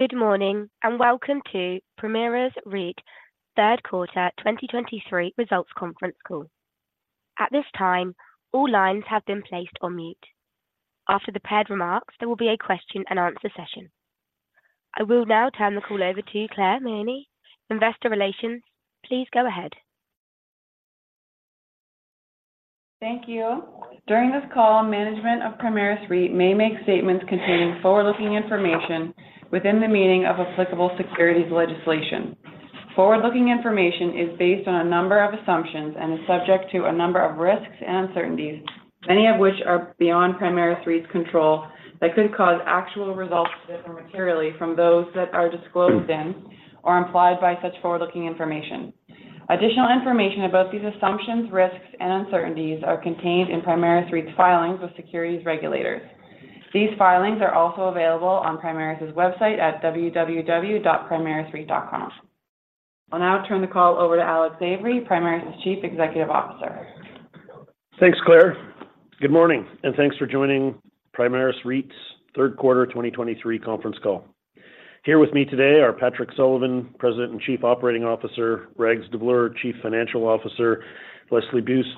Good morning, and welcome to Primaris REIT third quarter 2023 results conference call. At this time, all lines have been placed on mute. After the prepared remarks, there will be a question and answer session. I will now turn the call over to Claire Mahaney, Investor Relations. Please go ahead. Thank you. During this call, management of Primaris REIT may make statements containing forward-looking information within the meaning of applicable securities legislation. Forward-looking information is based on a number of assumptions and is subject to a number of risks and uncertainties, many of which are beyond Primaris REIT's control, that could cause actual results to differ materially from those that are disclosed in or implied by such forward-looking information. Additional information about these assumptions, risks, and uncertainties are contained in Primaris REIT's filings with securities regulators. These filings are also available on Primaris's website at www.primarisreit.com. I'll now turn the call over to Alex Avery, Primaris's Chief Executive Officer. Thanks, Claire. Good morning, and thanks for joining Primaris REIT's third quarter 2023 conference call. Here with me today are Patrick Sullivan, President and Chief Operating Officer, Rags Davloor, Chief Financial Officer, Leslie Buist,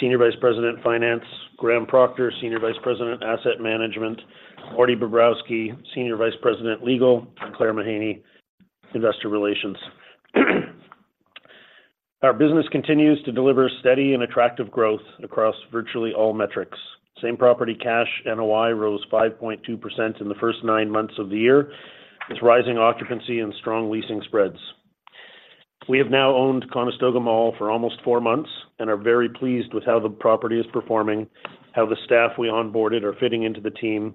Senior Vice President, Finance, Graham Procter, Senior Vice President, Asset Management, Marty Bobrowsky, Senior Vice President, Legal, and Claire Mahaney, Investor Relations. Our business continues to deliver steady and attractive growth across virtually all metrics. Same property cash NOI rose 5.2% in the first nine months of the year, with rising occupancy and strong leasing spreads. We have now owned Conestoga Mall for almost four months and are very pleased with how the property is performing, how the staff we onboarded are fitting into the team,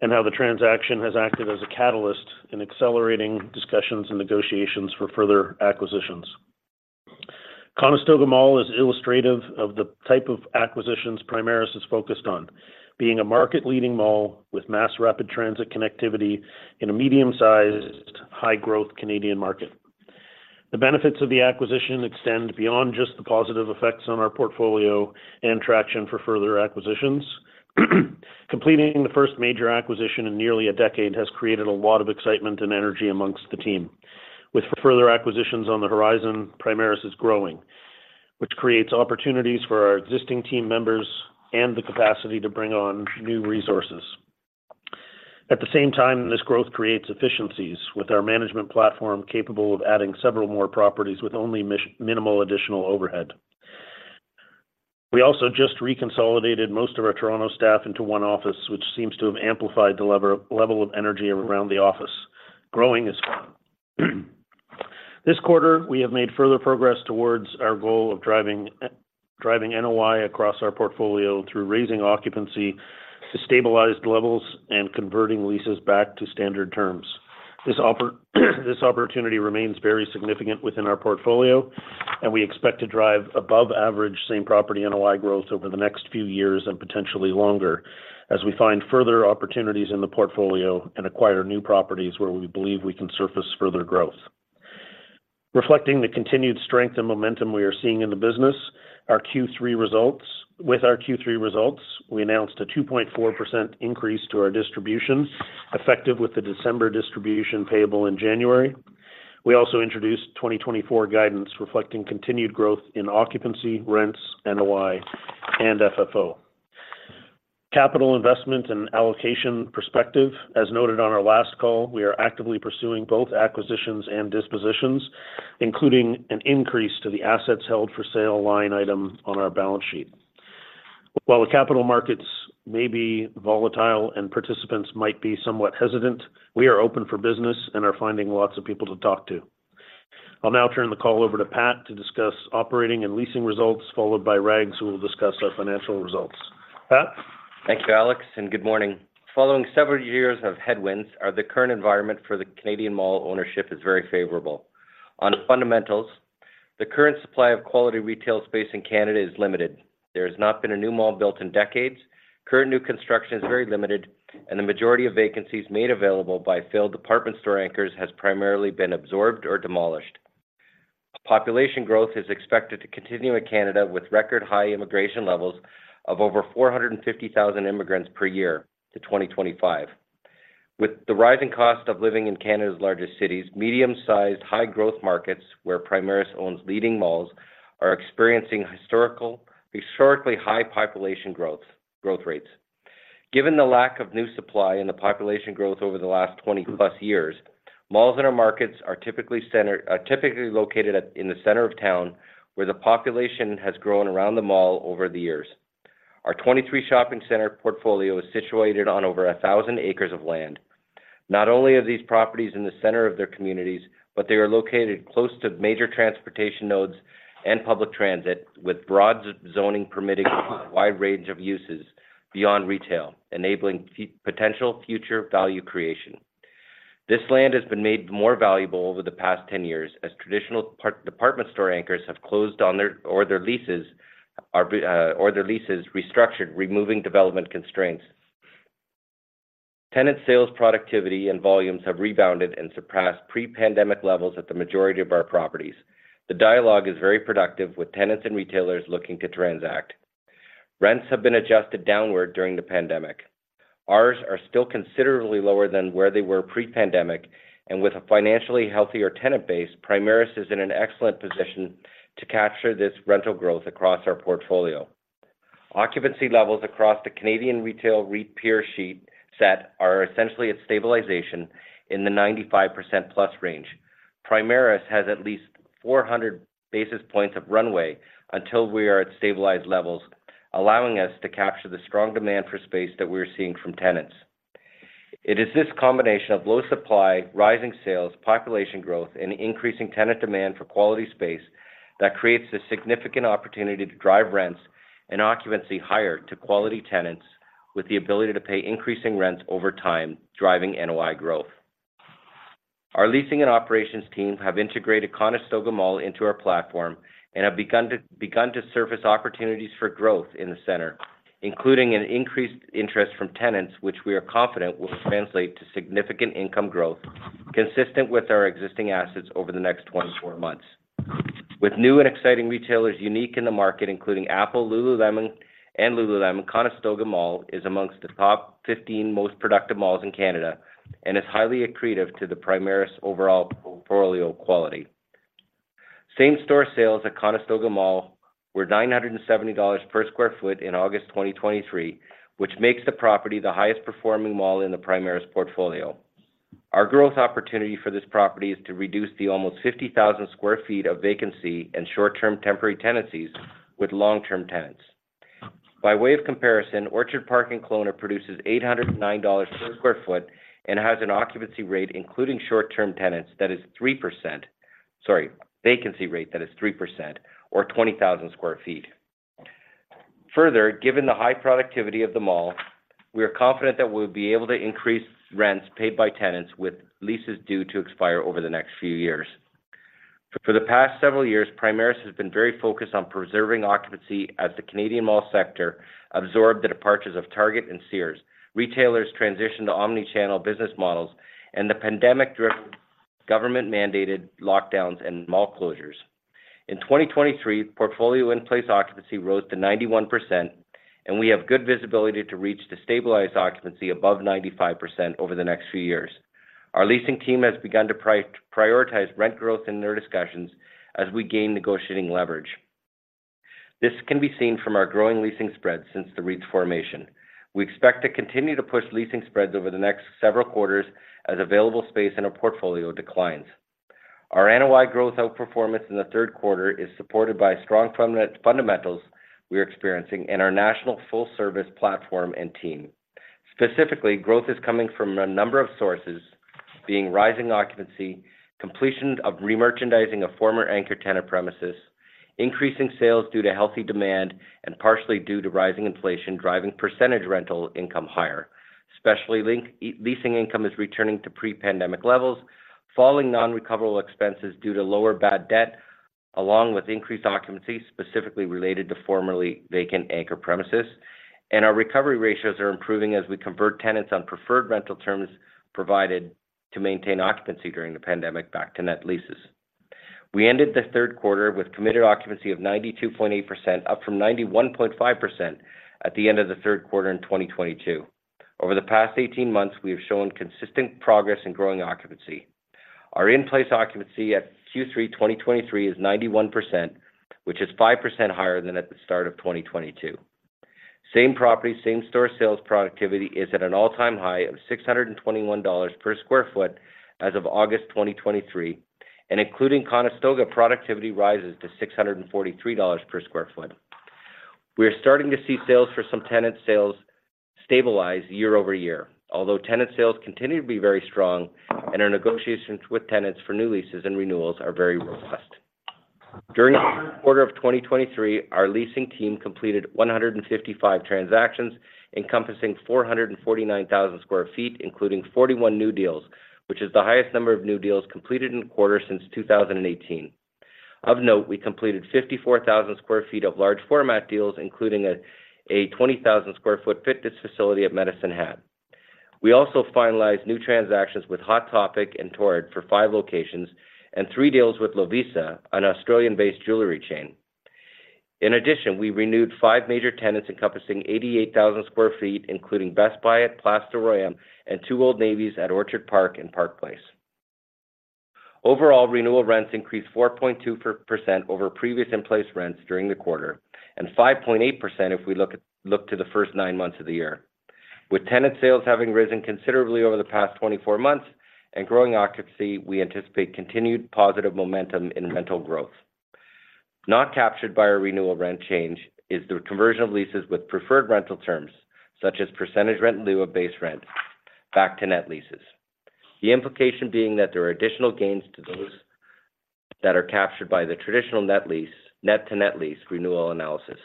and how the transaction has acted as a catalyst in accelerating discussions and negotiations for further acquisitions. Conestoga Mall is illustrative of the type of acquisitions Primaris is focused on, being a market-leading mall with mass rapid transit connectivity in a medium-sized, high-growth Canadian market. The benefits of the acquisition extend beyond just the positive effects on our portfolio and traction for further acquisitions. Completing the first major acquisition in nearly a decade has created a lot of excitement and energy among the team. With further acquisitions on the horizon, Primaris is growing, which creates opportunities for our existing team members and the capacity to bring on new resources. At the same time, this growth creates efficiencies with our management platform, capable of adding several more properties with only minimal additional overhead. We also just reconsolidated most of our Toronto staff into one office, which seems to have amplified the level of energy around the office. Growing is fun. This quarter, we have made further progress towards our goal of driving NOI across our portfolio through raising occupancy to stabilized levels and converting leases back to standard terms. This opportunity remains very significant within our portfolio, and we expect to drive above average same property NOI growth over the next few years and potentially longer, as we find further opportunities in the portfolio and acquire new properties where we believe we can surface further growth. Reflecting the continued strength and momentum we are seeing in the business, our Q3 results with our Q3 results, we announced a 2.4% increase to our distribution, effective with the December distribution payable in January. We also introduced 2024 guidance, reflecting continued growth in occupancy, rents, NOI, and FFO. Capital investment and allocation perspective. As noted on our last call, we are actively pursuing both acquisitions and dispositions, including an increase to the assets held for sale line item on our balance sheet. While the capital markets may be volatile and participants might be somewhat hesitant, we are open for business and are finding lots of people to talk to. I'll now turn the call over to Pat to discuss operating and leasing results, followed by Rags, who will discuss our financial results. Pat? Thank you, Alex, and good morning. Following several years of headwinds, the current environment for the Canadian mall ownership is very favorable. On fundamentals, the current supply of quality retail space in Canada is limited. There has not been a new mall built in decades. Current new construction is very limited, and the majority of vacancies made available by failed department store anchors has primarily been absorbed or demolished. Population growth is expected to continue in Canada, with record high immigration levels of over 450,000 immigrants per year to 2025. With the rising cost of living in Canada's largest cities, medium-sized, high-growth markets, where Primaris owns leading malls, are experiencing historically high population growth, growth rates. Given the lack of new supply and the population growth over the last 20+ years, malls in our markets are typically located at, in the center of town, where the population has grown around the mall over the years. Our 23 shopping center portfolio is situated on over 1,000 ac of land. Not only are these properties in the center of their communities, but they are located close to major transportation nodes and public transit, with broad zoning permitting a wide range of uses beyond retail, enabling potential future value creation. This land has been made more valuable over the past 10 years as traditional department store anchors have closed down, or their leases restructured, removing development constraints. Tenant sales, productivity, and volumes have rebounded and surpassed pre-pandemic levels at the majority of our properties. The dialogue is very productive, with tenants and retailers looking to transact... Rents have been adjusted downward during the pandemic. Ours are still considerably lower than where they were pre-pandemic, and with a financially healthier tenant base, Primaris is in an excellent position to capture this rental growth across our portfolio. Occupancy levels across the Canadian retail REIT peer sheet set are essentially at stabilization in the 95% plus range. Primaris has at least 400 basis points of runway until we are at stabilized levels, allowing us to capture the strong demand for space that we're seeing from tenants. It is this combination of low supply, rising sales, population growth, and increasing tenant demand for quality space that creates a significant opportunity to drive rents and occupancy higher to quality tenants with the ability to pay increasing rents over time, driving NOI growth. Our leasing and operations teams have integrated Conestoga Mall into our platform and have begun to surface opportunities for growth in the center, including an increased interest from tenants, which we are confident will translate to significant income growth, consistent with our existing assets over the next 24 months. With new and exciting retailers unique in the market, including Apple, lululemon, and lululemon, Conestoga Mall is amongst the top 15 most productive malls in Canada and is highly accretive to the Primaris overall portfolio quality. Same-store sales at Conestoga Mall were 970 dollars per sq ft in August 2023, which makes the property the highest performing mall in the Primaris portfolio. Our growth opportunity for this property is to reduce the almost 50,000 sq ft of vacancy and short-term temporary tenancies with long-term tenants. By way of comparison, Orchard Park in Kelowna produces 809 dollars per sq ft and has an occupancy rate, including short-term tenants, that is 3%—sorry, vacancy rate, that is 3% or 20,000 sq ft. Further, given the high productivity of the mall, we are confident that we'll be able to increase rents paid by tenants with leases due to expire over the next few years. For the past several years, Primaris has been very focused on preserving occupancy as the Canadian mall sector absorbed the departures of Target and Sears. Retailers transitioned to omni-channel business models and the pandemic-driven government-mandated lockdowns and mall closures. In 2023, portfolio in-place occupancy rose to 91%, and we have good visibility to reach the stabilized occupancy above 95% over the next few years. Our leasing team has begun to prioritize rent growth in their discussions as we gain negotiating leverage. This can be seen from our growing leasing spread since the REIT formation. We expect to continue to push leasing spreads over the next several quarters as available space in our portfolio declines. Our NOI growth outperformance in the third quarter is supported by strong fundamentals we are experiencing in our national full-service platform and team. Specifically, growth is coming from a number of sources, being: rising occupancy, completion of remerchandising of former anchor tenant premises, increasing sales due to healthy demand, and partially due to rising inflation, driving percentage rental income higher. Especially link, leasing income is returning to pre-pandemic levels, falling non-recoverable expenses due to lower bad debt, along with increased occupancy, specifically related to formerly vacant anchor premises, and our recovery ratios are improving as we convert tenants on preferred rental terms, provided to maintain occupancy during the pandemic, back to net leases. We ended the third quarter with committed occupancy of 92.8%, up from 91.5% at the end of the third quarter in 2022. Over the past 18 months, we have shown consistent progress in growing occupancy. Our in-place occupancy at Q3 2023 is 91%, which is 5% higher than at the start of 2022. Same property, same store sales productivity is at an all-time high of 621 dollars per sq ft as of August 2023, and including Conestoga, productivity rises to 643 dollars per sq ft. We are starting to see sales for some tenant sales stabilize year-over-year, although tenant sales continue to be very strong and our negotiations with tenants for new leases and renewals are very robust. During the quarter of 2023, our leasing team completed 155 transactions, encompassing 449,000 sq ft, including 41 new deals, which is the highest number of new deals completed in a quarter since 2018. Of note, we completed 54,000 sq ft of large format deals, including a 20,000 sq ft fitness facility at Medicine Hat. We also finalized new transactions with Hot Topic and Torrid for five locations and three deals with Lovisa, an Australian-based jewelry chain. In addition, we renewed five major tenants encompassing 88,000 sq ft, including Best Buy at Place du Royaume and two Old Navys at Orchard Park and Park Place. Overall, renewal rents increased 4.2% over previous in-place rents during the quarter, and 5.8% if we look to the first nine months of the year. With tenant sales having risen considerably over the past 24 months and growing occupancy, we anticipate continued positive momentum in rental growth. Not captured by our renewal rent change is the conversion of leases with preferred rental terms, such as percentage rent in lieu of base rent, back to net leases. The implication being that there are additional gains to those that are captured by the traditional net lease, net to net lease renewal analysis.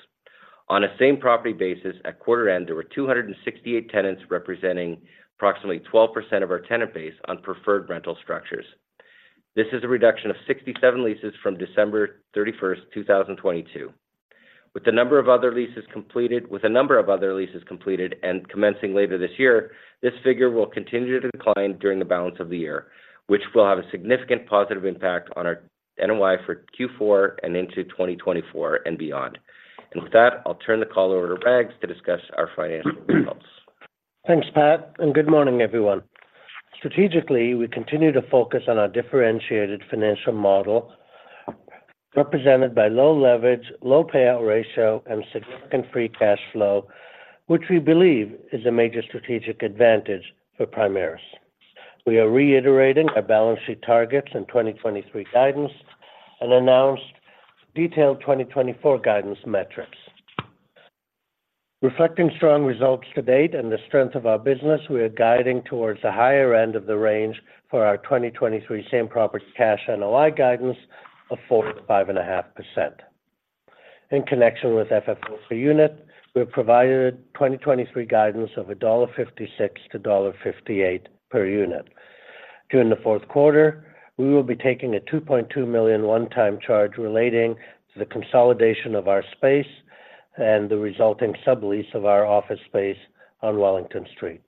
On a same property basis, at quarter end, there were 268 tenants, representing approximately 12% of our tenant base on preferred rental structures. This is a reduction of 67 leases from December 31, 2022. With a number of other leases completed and commencing later this year, this figure will continue to decline during the balance of the year, which will have a significant positive impact on our NOI for Q4 and into 2024 and beyond. And with that, I'll turn the call over to Rags to discuss our financial results.... Thanks, Pat, and good morning, everyone. Strategically, we continue to focus on our differentiated financial model, represented by low leverage, low payout ratio, and significant free cash flow, which we believe is a major strategic advantage for Primaris. We are reiterating our balance sheet targets in 2023 guidance and announced detailed 2024 guidance metrics. Reflecting strong results to date and the strength of our business, we are guiding towards the higher end of the range for our 2023 same property cash NOI guidance of 4%-5.5%. In connection with FFO per unit, we've provided 2023 guidance of 1.56-1.58 dollar per unit. During the fourth quarter, we will be taking a 2.2 million one-time charge relating to the consolidation of our space and the resulting sublease of our office space on Wellington Street.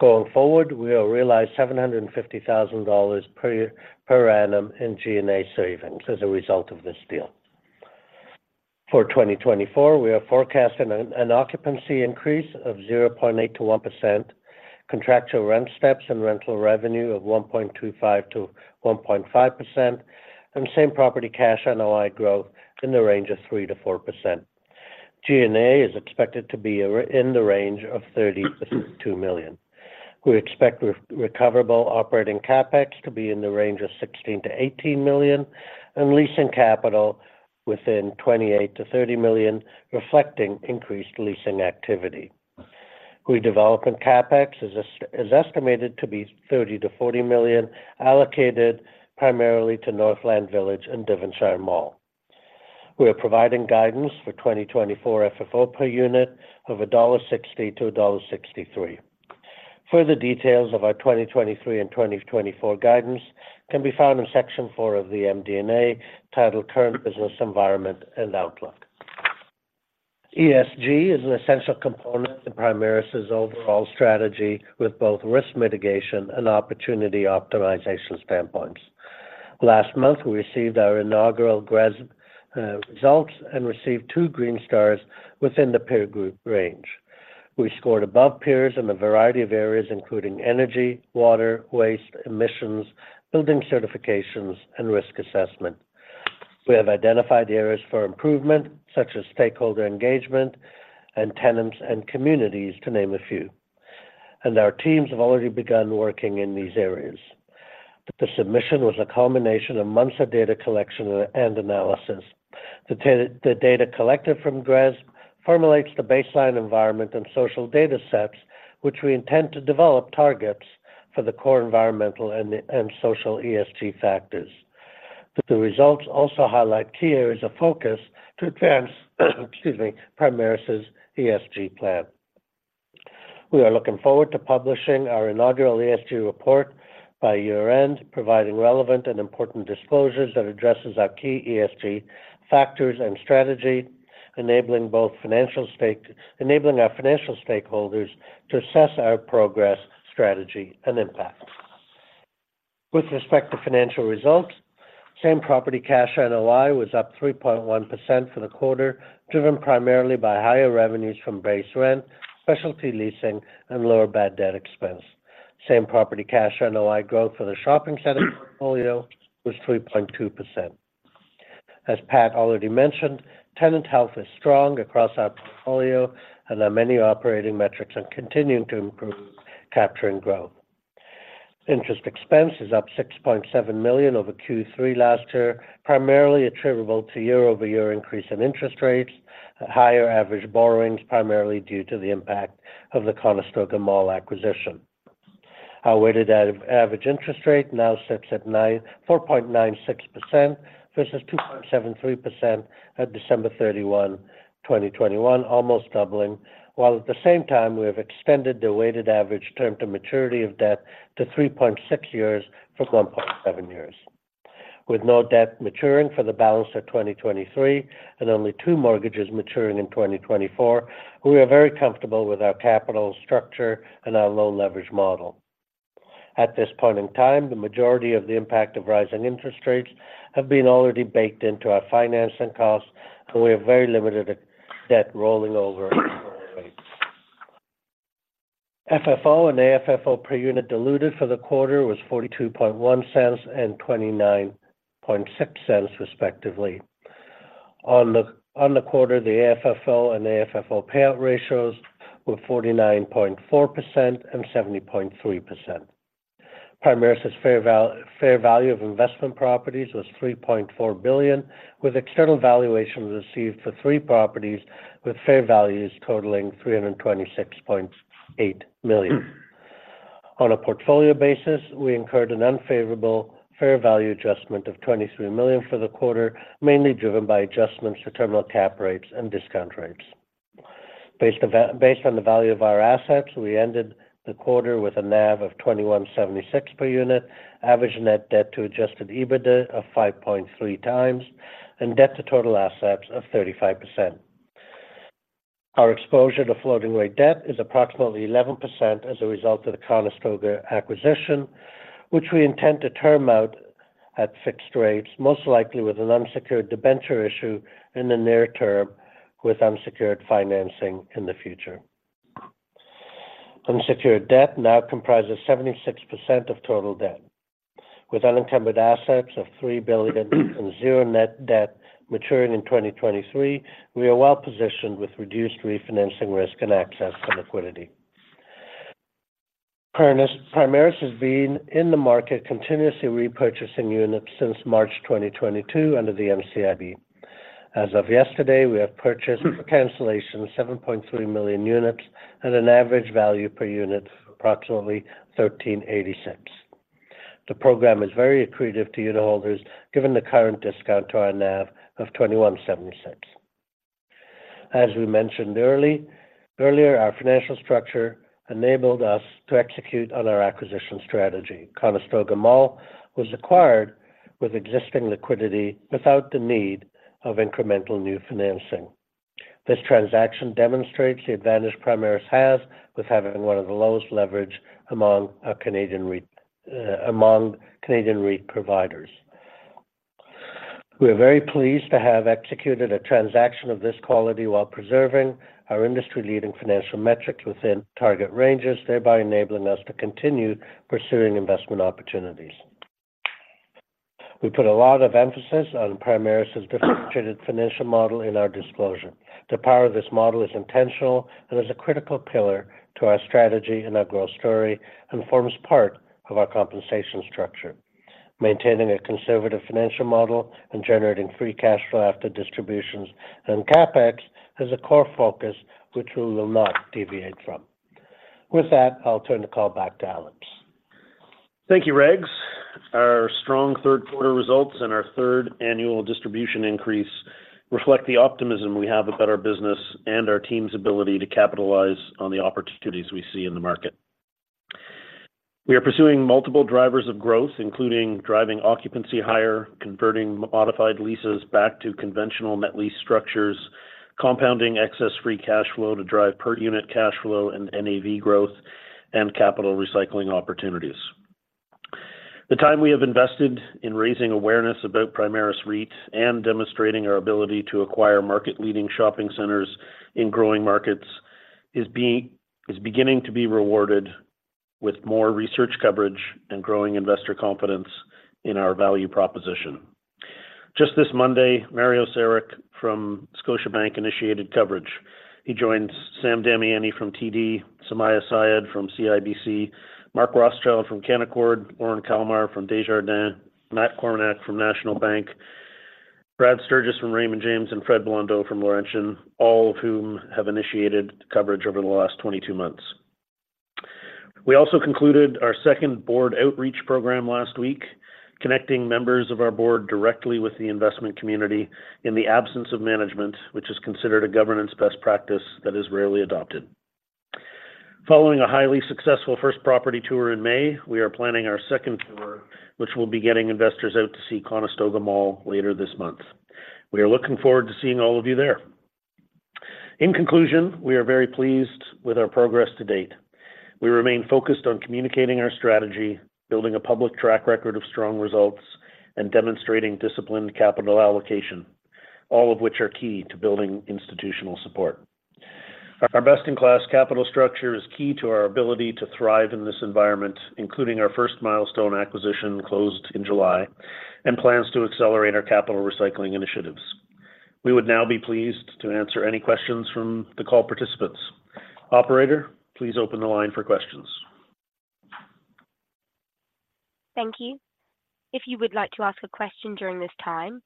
Going forward, we will realize 750,000 dollars per annum in G&A savings as a result of this deal. For 2024, we are forecasting an occupancy increase of 0.8%-1%, contractual rent steps and rental revenue of 1.25%-1.5%, and same-property cash NOI growth in the range of 3%-4%. G&A is expected to be in the range of 32 million. We expect recoverable operating CapEx to be in the range of 16 million-18 million and leasing capital within 28 million-30 million, reflecting increased leasing activity. Development CapEx is estimated to be 30 million-40 million, allocated primarily to Northland Village and Devonshire Mall. We are providing guidance for 2024 FFO per unit of 1.60-1.63 dollars. Further details of our 2023 and 2024 guidance can be found in Section four of the MD&A, titled Current Business Environment and Outlook. ESG is an essential component to Primaris's overall strategy with both risk mitigation and opportunity optimization standpoints. Last month, we received our inaugural GRESB results and received two green stars within the peer group range. We scored above peers in a variety of areas, including energy, water, waste, emissions, building certifications, and risk assessment. We have identified areas for improvement, such as stakeholder engagement and tenants and communities, to name a few, and our teams have already begun working in these areas. The submission was a culmination of months of data collection and analysis. The data collected from GRESB formulates the baseline environment and social data sets, which we intend to develop targets for the core environmental and social ESG factors. The results also highlight key areas of focus to advance, excuse me, Primaris' ESG plan. We are looking forward to publishing our inaugural ESG report by year-end, providing relevant and important disclosures that addresses our key ESG factors and strategy, enabling our financial stakeholders to assess our progress, strategy, and impact. With respect to financial results, same-property cash NOI was up 3.1% for the quarter, driven primarily by higher revenues from base rent, specialty leasing, and lower bad debt expense. Same-property cash NOI growth for the shopping center portfolio was 3.2%. As Pat already mentioned, tenant health is strong across our portfolio, and our many operating metrics are continuing to improve, capture and grow. Interest expense is up 6.7 million over Q3 last year, primarily attributable to year-over-year increase in interest rates, higher average borrowings, primarily due to the impact of the Conestoga Mall acquisition. Our weighted average interest rate now sits at 4.96% versus 2.73% at December 31, 2021, almost doubling, while at the same time, we have extended the weighted average term to maturity of debt to 3.6 years from 1.7 years. With no debt maturing for the balance of 2023 and only two mortgages maturing in 2024, we are very comfortable with our capital structure and our low leverage model. At this point in time, the majority of the impact of rising interest rates have been already baked into our financing costs, and we have very limited debt rolling over. FFO and AFFO per unit diluted for the quarter was 42.1 cents and 29.6 cents, respectively. On the quarter, the AFFO and AFFO payout ratios were 49.4% and 70.3%. Primaris' fair value of investment properties was 3.4 billion, with external valuations received for three properties, with fair values totaling 326.8 million. On a portfolio basis, we incurred an unfavorable fair value adjustment of 23 million for the quarter, mainly driven by adjustments to terminal cap rates and discount rates. Based on the value of our assets, we ended the quarter with a NAV of 2,176 per unit, average net debt to adjusted EBITDA of 5.3x, and debt to total assets of 35%. Our exposure to floating rate debt is approximately 11% as a result of the Conestoga acquisition, which we intend to term out at fixed rates, most likely with an unsecured debenture issue in the near term, with unsecured financing in the future. Unsecured debt now comprises 76% of total debt, with unencumbered assets of 3 billion and 0 net debt maturing in 2023. We are well-positioned with reduced refinancing risk and access to liquidity. Primaris has been in the market continuously repurchasing units since March 2022 under the NCIB. As of yesterday, we have purchased for cancellation 7.3 million units at an average value per unit of approximately 13.80. The program is very accretive to unitholders, given the current discount to our NAV of 21.70. As we mentioned early, earlier, our financial structure enabled us to execute on our acquisition strategy. Conestoga Mall was acquired with existing liquidity without the need of incremental new financing. This transaction demonstrates the advantage Primaris has with having one of the lowest leverage among Canadian REIT providers. We are very pleased to have executed a transaction of this quality while preserving our industry-leading financial metrics within target ranges, thereby enabling us to continue pursuing investment opportunities. We put a lot of emphasis on Primaris's differentiated financial model in our disclosure. The power of this model is intentional and is a critical pillar to our strategy and our growth story, and forms part of our compensation structure. Maintaining a conservative financial model and generating free cash flow after distributions and CapEx is a core focus which we will not deviate from. With that, I'll turn the call back to Alex. Thank you, Rags. Our strong third quarter results and our third annual distribution increase reflect the optimism we have about our business and our team's ability to capitalize on the opportunities we see in the market. We are pursuing multiple drivers of growth, including driving occupancy higher, converting modified leases back to conventional net lease structures, compounding excess free cash flow to drive per unit cash flow and NAV growth, and capital recycling opportunities. The time we have invested in raising awareness about Primaris REIT and demonstrating our ability to acquire market-leading shopping centers in growing markets is beginning to be rewarded with more research coverage and growing investor confidence in our value proposition. Just this Monday, Mario Saric from Scotiabank initiated coverage. He joins Sam Damiani from TD, Sumayya Syed from CIBC, Mark Rothschild from Canaccord, Lorne Kalmar from Desjardins, Matt Kornack from National Bank, Brad Sturges from Raymond James, and Fred Blondeau from Laurentian, all of whom have initiated coverage over the last 22 months. We also concluded our second board outreach program last week, connecting members of our board directly with the investment community in the absence of management, which is considered a governance best practice that is rarely adopted. Following a highly successful first property tour in May, we are planning our second tour, which will be getting investors out to see Conestoga Mall later this month. We are looking forward to seeing all of you there. In conclusion, we are very pleased with our progress to date. We remain focused on communicating our strategy, building a public track record of strong results, and demonstrating disciplined capital allocation, all of which are key to building institutional support. Our best-in-class capital structure is key to our ability to thrive in this environment, including our first milestone acquisition closed in July, and plans to accelerate our capital recycling initiatives. We would now be pleased to answer any questions from the call participants. Operator, please open the line for questions. Thank you. If you would like to ask a question during this time,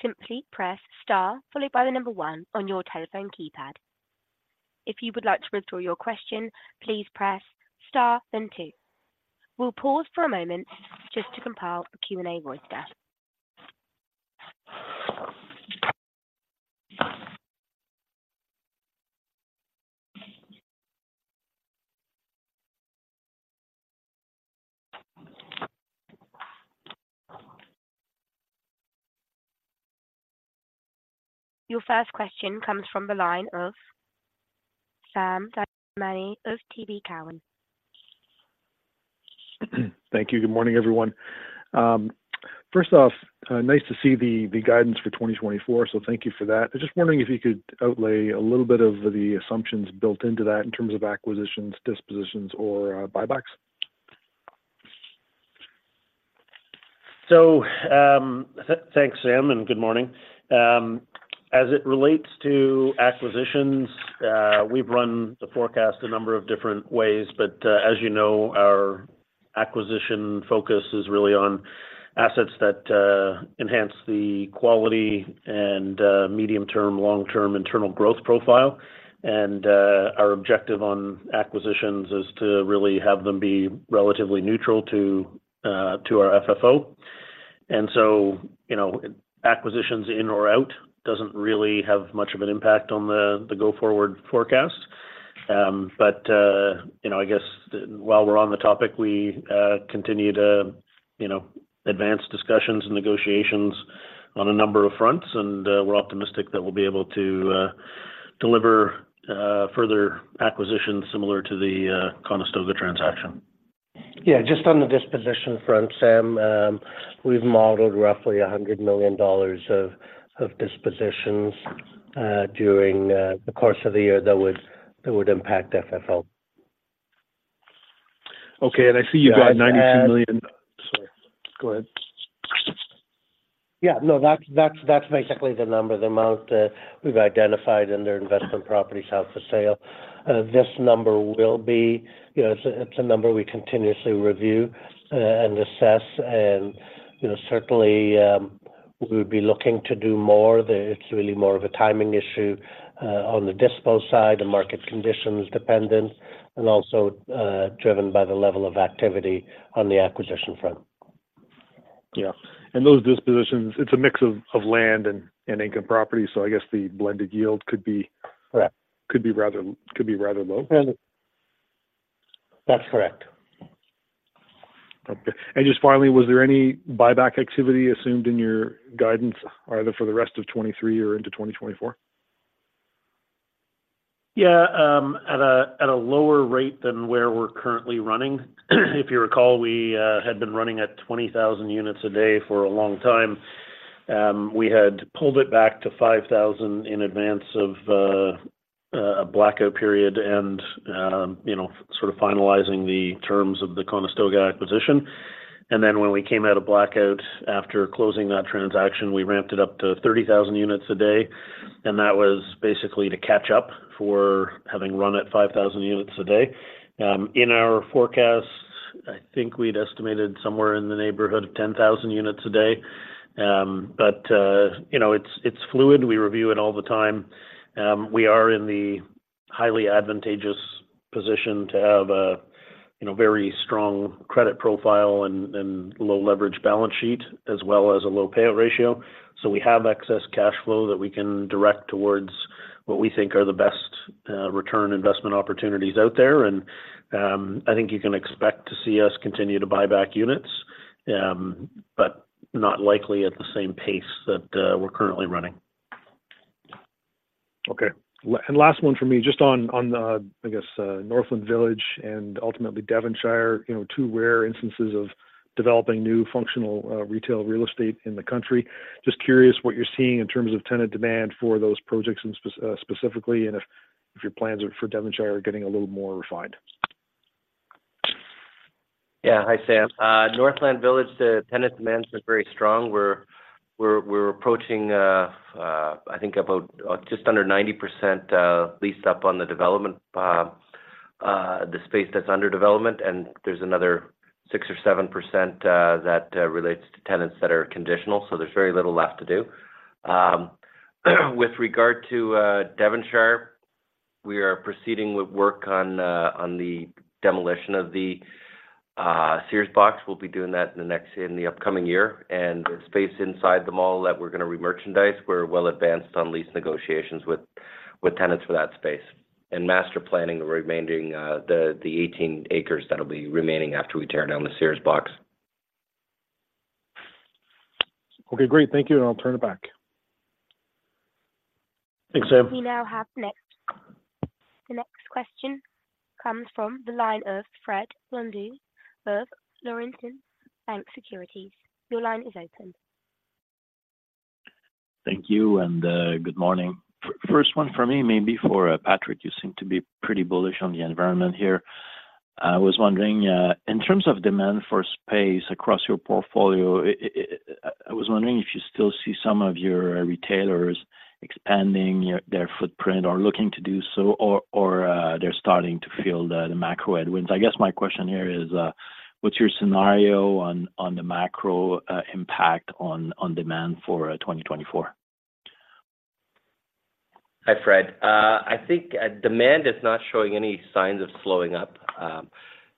simply press star followed by the number one on your telephone keypad. If you would like to withdraw your question, please press star, then two. We'll pause for a moment just to compile a Q&A voice list. Your first question comes from the line of Sam Damiani of TD Cowen. Thank you. Good morning, everyone. First off, nice to see the guidance for 2024, so thank you for that. I'm just wondering if you could outline a little bit of the assumptions built into that in terms of acquisitions, dispositions, or buybacks? So, thanks, Sam, and good morning. As it relates to acquisitions, we've run the forecast a number of different ways, but, as you know, our acquisition focus is really on assets that enhance the quality and medium-term, long-term internal growth profile. And our objective on acquisitions is to really have them be relatively neutral to our FFO. And so, you know, acquisitions in or out doesn't really have much of an impact on the go-forward forecast. But you know, I guess while we're on the topic, we continue to, you know, advance discussions and negotiations on a number of fronts, and we're optimistic that we'll be able to deliver further acquisitions similar to the Conestoga transaction. Yeah, just on the disposition front, Sam, we've modeled roughly 100 million dollars of dispositions during the course of the year that would impact FFO. Okay, and I see you've got 92 million-Sorry, go ahead. Yeah, no, that's basically the number, the amount that we've identified in their investment properties held for sale. This number will be, you know, it's a number we continuously review and assess, and, you know, certainly, we would be looking to do more. It's really more of a timing issue on the dispo side, the market conditions dependent and also driven by the level of activity on the acquisition front. Yeah. And those dispositions, it's a mix of land and anchor properties, so I guess the blended yield could be- Correct. Could be rather low. That's correct. Okay. Just finally, was there any buyback activity assumed in your guidance, either for the rest of 2023 or into 2024? Yeah, at a lower rate than where we're currently running. If you recall, we had been running at 20,000 units a day for a long time. We had pulled it back to 5,000 in advance of a blackout period and, you know, sort of finalizing the terms of the Conestoga acquisition. And then when we came out of blackout after closing that transaction, we ramped it up to 30,000 units a day, and that was basically to catch up for having run at 5,000 units a day. In our forecasts, I think we'd estimated somewhere in the neighborhood of 10,000 units a day. But you know, it's fluid. We review it all the time. We are in the highly advantageous position to have a, you know, very strong credit profile and low leverage balance sheet, as well as a low payout ratio. So we have excess cash flow that we can direct towards what we think are the best return investment opportunities out there. And I think you can expect to see us continue to buy back units, but not likely at the same pace that we're currently running. Okay. And last one for me, just on, on, I guess, Northland Village and ultimately Devonshire, you know, two rare instances of developing new functional retail real estate in the country. Just curious what you're seeing in terms of tenant demand for those projects and specifically, and if your plans for Devonshire are getting a little more refined. Yeah. Hi, Sam. Northland Village, the tenant demand is very strong. We're approaching, I think about, just under 90%, leased up on the development, the space that's under development, and there's another 6% or 7% that relates to tenants that are conditional, so there's very little left to do. With regard to Devonshire, we are proceeding with work on, on the demolition of the, the Sears box. We'll be doing that in the next—in the upcoming year. And the space inside the mall that we're going to remerchandise, we're well advanced on lease negotiations with, with tenants for that space, and master planning the remaining, the, the 18 ac that'll be remaining after we tear down the Sears box. Okay, great. Thank you, and I'll turn it back. Thanks, Sam. We now have next... The next question comes from the line of Fred Blondeau of Laurentian Bank Securities. Your line is open. Thank you, and good morning. First one for me, maybe for Patrick, you seem to be pretty bullish on the environment here. I was wondering in terms of demand for space across your portfolio if you still see some of your retailers expanding their footprint or looking to do so, or they're starting to feel the macro headwinds. I guess my question here is, what's your scenario on the macro impact on demand for 2024? Hi, Fred. I think demand is not showing any signs of slowing up.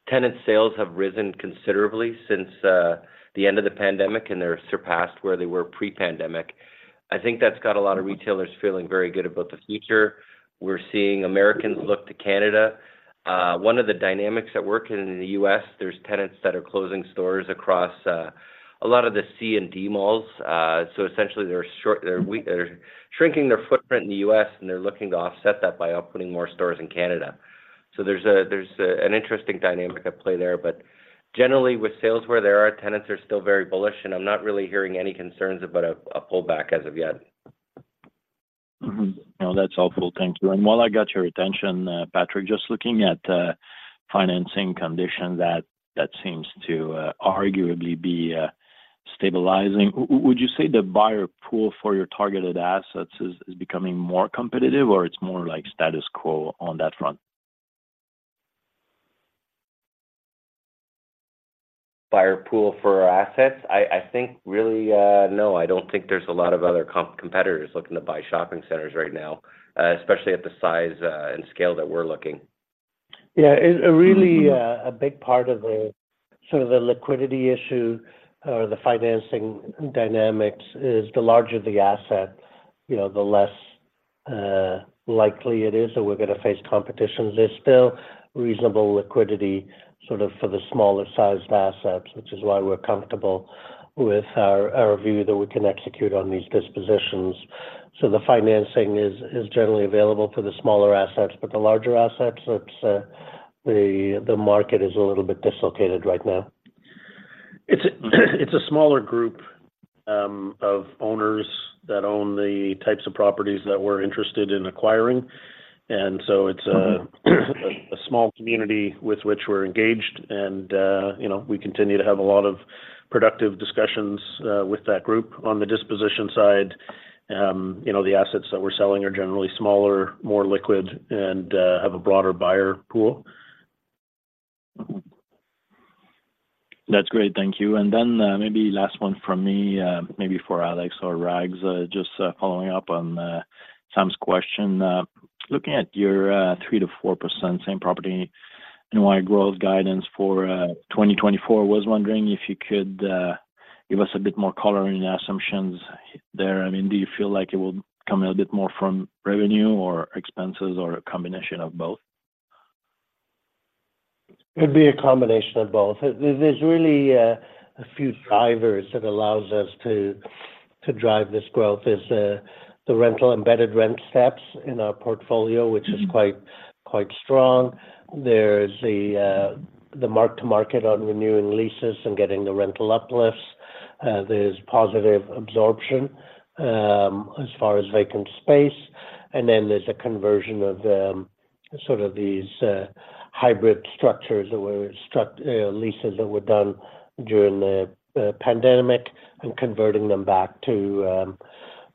Tenant sales have risen considerably since the end of the pandemic, and they're surpassed where they were pre-pandemic. I think that's got a lot of retailers feeling very good about the future. We're seeing Americans look to Canada. One of the dynamics at work in the U.S., there's tenants that are closing stores across a lot of the C and D malls. So essentially, they're shrinking their footprint in the U.S., and they're looking to offset that by opening more stores in Canada. So there's an interesting dynamic at play there, but generally, with sales where there are, tenants are still very bullish, and I'm not really hearing any concerns about a pullback as of yet. Mm-hmm. No, that's helpful. Thank you. And while I got your attention, Patrick, just looking at financing conditions, that seems to arguably be stabilizing. Would you say the buyer pool for your targeted assets is becoming more competitive, or it's more like status quo on that front? Buyer pool for our assets? I think really, no, I don't think there's a lot of other competitors looking to buy shopping centers right now, especially at the size and scale that we're looking. Yeah, it's a really, a big part of the sort of the liquidity issue or the financing dynamics is the larger the asset, you know, the less, likely it is that we're gonna face competition. There's still reasonable liquidity, sort of, for the smaller sized assets, which is why we're comfortable with our, our view that we can execute on these dispositions. So the financing is, is generally available for the smaller assets, but the larger assets, it's, the, the market is a little bit dislocated right now. It's a smaller group of owners that own the types of properties that we're interested in acquiring. So it's a small community with which we're engaged and, you know, we continue to have a lot of productive discussions with that group. On the disposition side, you know, the assets that we're selling are generally smaller, more liquid, and have a broader buyer pool. That's great, thank you. Then, maybe last one from me, maybe for Alex or Rags. Just, following up on Sam's question. Looking at your 3%-4% same property NOI growth guidance for 2024, I was wondering if you could give us a bit more color in the assumptions there. I mean, do you feel like it will come a little bit more from revenue or expenses or a combination of both? It'd be a combination of both. There's really a few drivers that allows us to drive this growth. The rental, embedded rent steps in our portfolio- Mm-hmm... which is quite, quite strong. There's the, the mark to market on renewing leases and getting the rental uplifts. There's positive absorption, as far as vacant space. And then there's a conversion of, sort of these, hybrid structures that were leases that were done during the, the pandemic and converting them back to,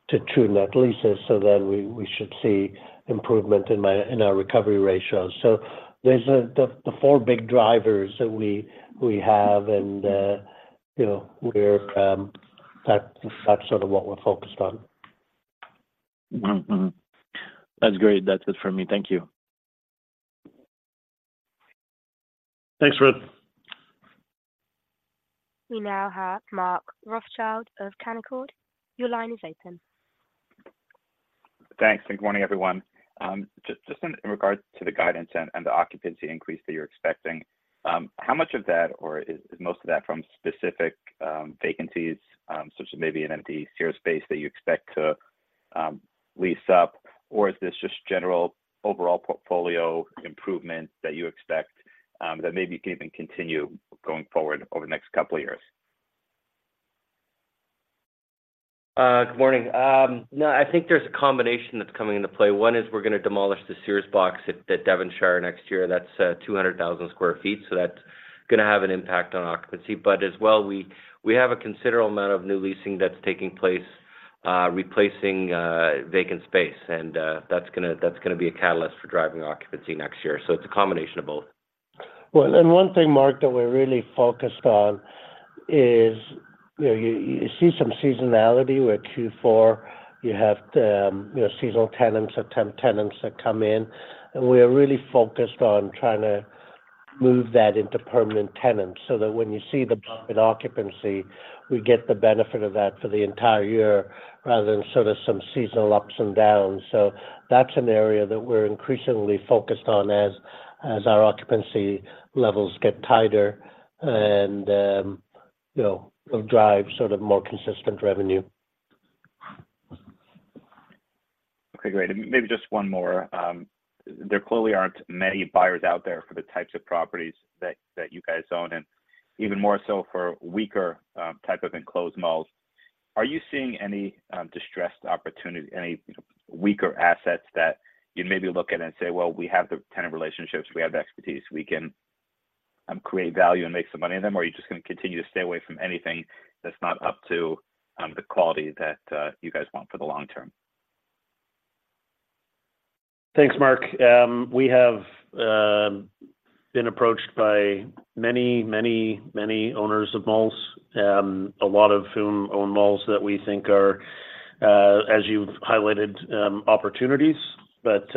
to true net leases, so then we, we should see improvement in our recovery ratios. So there's, the, the four big drivers that we, we have and, you know, we're, that's, that's sort of what we're focused on. Mm-hmm. That's great. That's it for me. Thank you. Thanks, Ruth. We now have Mark Rothschild of Canaccord. Your line is open. Thanks. Good morning, everyone. Just in regards to the guidance and the occupancy increase that you're expecting, how much of that or is most of that from specific vacancies, such as maybe an empty Sears space that you expect to lease up? Or is this just general overall portfolio improvement that you expect, that maybe can even continue going forward over the next couple of years? Good morning. No, I think there's a combination that's coming into play. One is we're gonna demolish the Sears box at, at Devonshire Mall next year. That's 200,000 sq ft, so that's gonna have an impact on occupancy. But as well, we, we have a considerable amount of new leasing that's taking place, replacing, vacant space, and, that's gonna, that's gonna be a catalyst for driving occupancy next year. So it's a combination of both. Well, and one thing, Mark, that we're really focused on is, you know, you see some seasonality where Q4, you have the, you know, seasonal tenants, temp tenants that come in, and we're really focused on trying to move that into permanent tenants so that when you see the bump in occupancy, we get the benefit of that for the entire year rather than sort of some seasonal ups and downs. So that's an area that we're increasingly focused on as our occupancy levels get tighter and, you know, it'll drive sort of more consistent revenue. Okay, great. And maybe just one more. There clearly aren't many buyers out there for the types of properties that you guys own, and even more so for weaker type of enclosed malls. Are you seeing any distressed opportunity, any weaker assets that you maybe look at and say: "Well, we have the tenant relationships, we have the expertise, we can create value and make some money in them?" Or are you just gonna continue to stay away from anything that's not up to the quality that you guys want for the long term? Thanks, Mark. We have been approached by many, many, many owners of malls, a lot of whom own malls that we think are, as you've highlighted, opportunities. But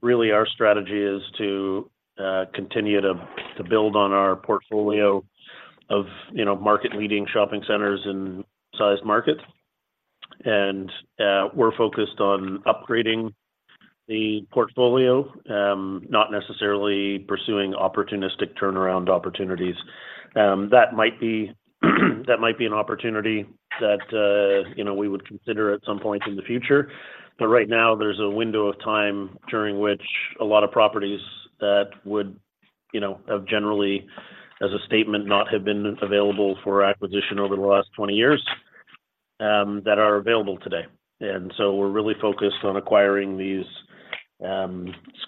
really, our strategy is to continue to build on our portfolio of, you know, market-leading shopping centers in sized markets. And we're focused on upgrading the portfolio, not necessarily pursuing opportunistic turnaround opportunities. That might be, that might be an opportunity that, you know, we would consider at some point in the future, but right now there's a window of time during which a lot of properties that would, you know, have generally, as a statement, not have been available for acquisition over the last 20 years, that are available today. And so we're really focused on acquiring these,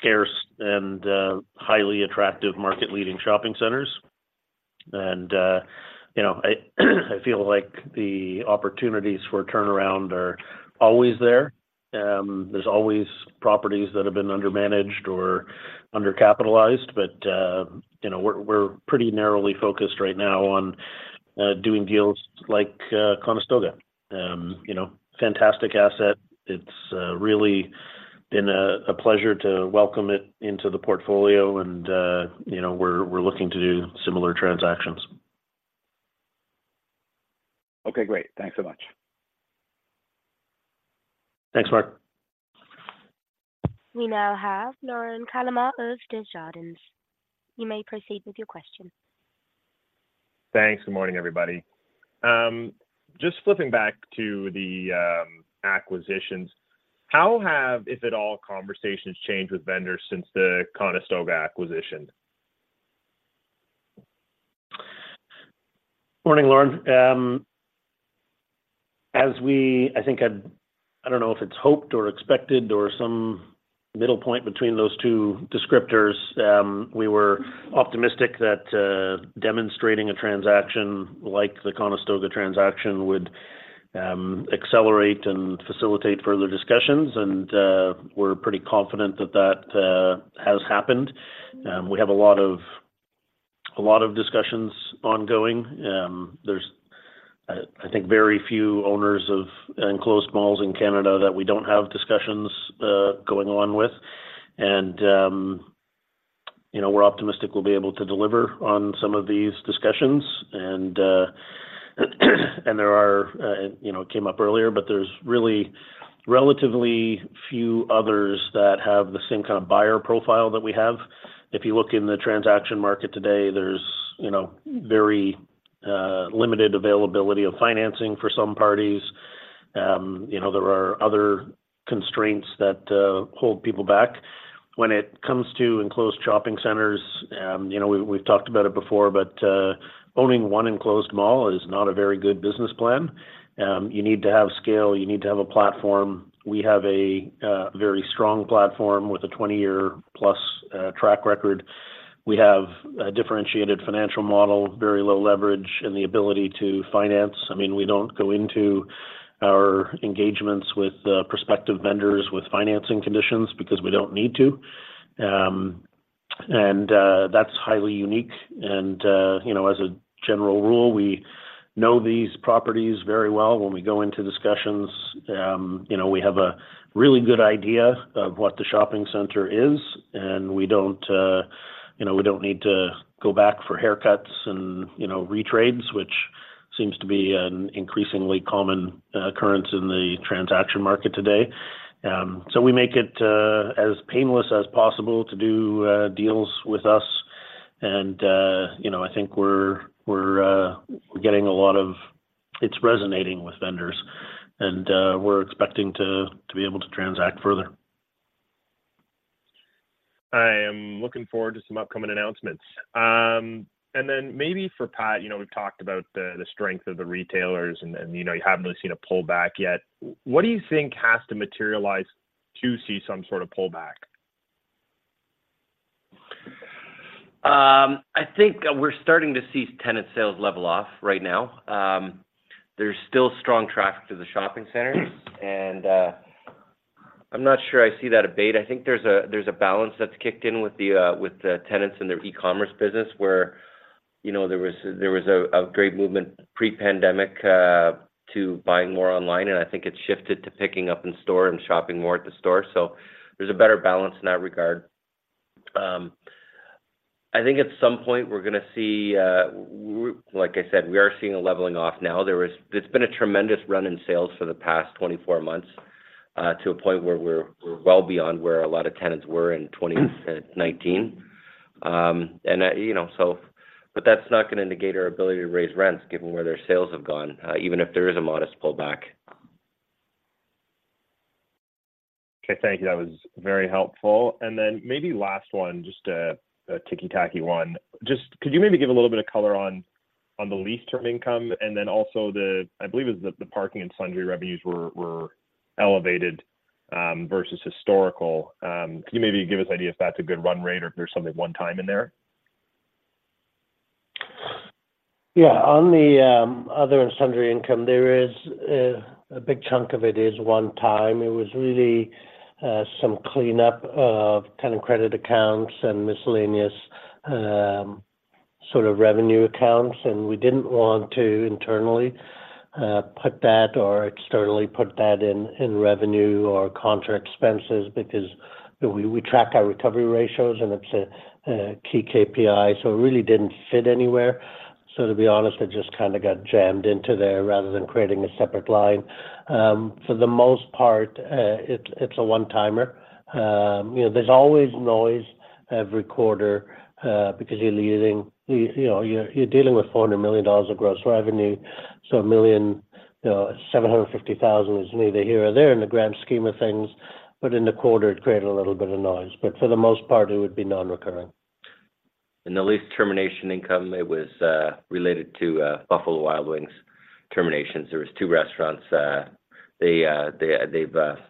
scarce and, highly attractive market-leading shopping centers. You know, I feel like the opportunities for turnaround are always there. There's always properties that have been undermanaged or undercapitalized, but, you know, we're pretty narrowly focused right now on doing deals like Conestoga. You know, fantastic asset. It's really been a pleasure to welcome it into the portfolio and, you know, we're looking to do similar transactions.... Okay, great. Thanks so much. Thanks, Mark. We now have Lorne Kalmar of Desjardins. You may proceed with your question. Thanks. Good morning, everybody. Just flipping back to the acquisitions, how have, if at all, conversations changed with vendors since the Conestoga acquisition? Morning, Lorne. As we, I think, I don't know if it's hoped or expected or some middle point between those two descriptors, we were optimistic that demonstrating a transaction like the Conestoga transaction would accelerate and facilitate further discussions, and we're pretty confident that that has happened. We have a lot of, a lot of discussions ongoing. There's, I think, very few owners of enclosed malls in Canada that we don't have discussions going on with. And, you know, we're optimistic we'll be able to deliver on some of these discussions. And there are, you know, it came up earlier, but there's really relatively few others that have the same kind of buyer profile that we have. If you look in the transaction market today, there's, you know, very limited availability of financing for some parties. You know, there are other constraints that hold people back. When it comes to enclosed shopping centers, you know, we've talked about it before, but owning one enclosed mall is not a very good business plan. You need to have scale, you need to have a platform. We have a very strong platform with a 20-year plus track record. We have a differentiated financial model, very low leverage, and the ability to finance. I mean, we don't go into our engagements with prospective vendors with financing conditions because we don't need to. And that's highly unique. And you know, as a general rule, we know these properties very well. When we go into discussions, you know, we have a really good idea of what the shopping center is, and we don't, you know, we don't need to go back for haircuts and, you know, retrades, which seems to be an increasingly common occurrence in the transaction market today. So we make it as painless as possible to do deals with us. And you know, I think we're getting a lot of... It's resonating with vendors, and we're expecting to be able to transact further. I am looking forward to some upcoming announcements. And then maybe for Pat, you know, we've talked about the strength of the retailers and, you know, you haven't really seen a pullback yet. What do you think has to materialize to see some sort of pullback? I think we're starting to see tenant sales level off right now. There's still strong traffic to the shopping centers, and I'm not sure I see that abate. I think there's a balance that's kicked in with the tenants and their e-commerce business, where, you know, there was a great movement pre-pandemic to buying more online, and I think it shifted to picking up in store and shopping more at the store. So there's a better balance in that regard. I think at some point we're going to see... Like I said, we are seeing a leveling off now. There's been a tremendous run in sales for the past 24 months to a point where we're well beyond where a lot of tenants were in 2019. You know, but that's not going to indicate our ability to raise rents given where their sales have gone, even if there is a modest pullback. Okay, thank you. That was very helpful. And then maybe last one, just a ticky-tacky one. Just, could you maybe give a little bit of color on the lease term income? And then also the, I believe it was the, the parking and sundry revenues were elevated versus historical. Can you maybe give us an idea if that's a good run rate or if there's something one time in there? Yeah. On the other and sundry income, there is a big chunk of it is one time. It was really some cleanup of kind of credit accounts and miscellaneous sort of revenue accounts, and we didn't want to internally put that or externally put that in revenue or contra expenses because we track our recovery ratios, and it's a key KPI, so it really didn't fit anywhere. So to be honest, it just kind of got jammed into there rather than creating a separate line. For the most part, it's a one-timer. You know, there's always noise every quarter, because you're losing, you know, you're dealing with 400 million dollars of gross revenue, so 1.75 million is neither here nor there in the grand scheme of things, but in the quarter it created a little bit of noise. But for the most part, it would be non-recurring. In the lease termination income, it was related to Buffalo Wild Wings terminations. There was two restaurants, they've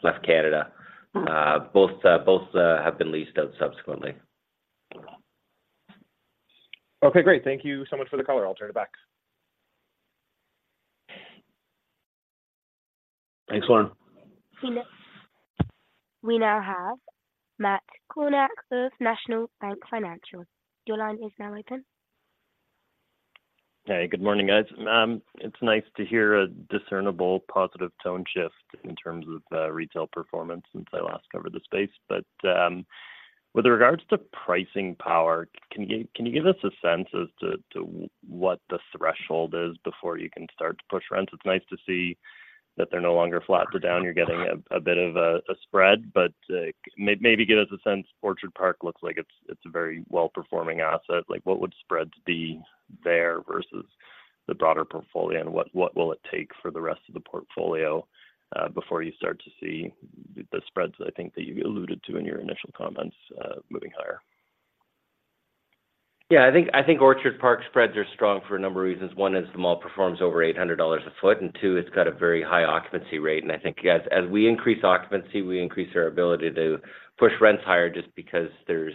left Canada. Both have been leased out subsequently. Okay, great. Thank you so much for the color. I'll turn it back. Thanks, Lauren. We now have Matt Kornack of National Bank Financial. Your line is now open. Hey, good morning, guys. It's nice to hear a discernible positive tone shift in terms of retail performance since I last covered the space. But with regards to pricing power, can you, can you give us a sense as to, to what the threshold is before you can start to push rents? It's nice to see that they're no longer flat to down. You're getting a bit of a spread, but maybe give us a sense. Orchard Park looks like it's a very well-performing asset. Like, what would spreads be there versus the broader portfolio, and what will it take for the rest of the portfolio before you start to see the spreads I think that you alluded to in your initial comments moving higher? Yeah, I think Orchard Park spreads are strong for a number of reasons. One is the mall performs over 800 dollars a foot, and two, it's got a very high occupancy rate. And I think as we increase occupancy, we increase our ability to push rents higher just because there's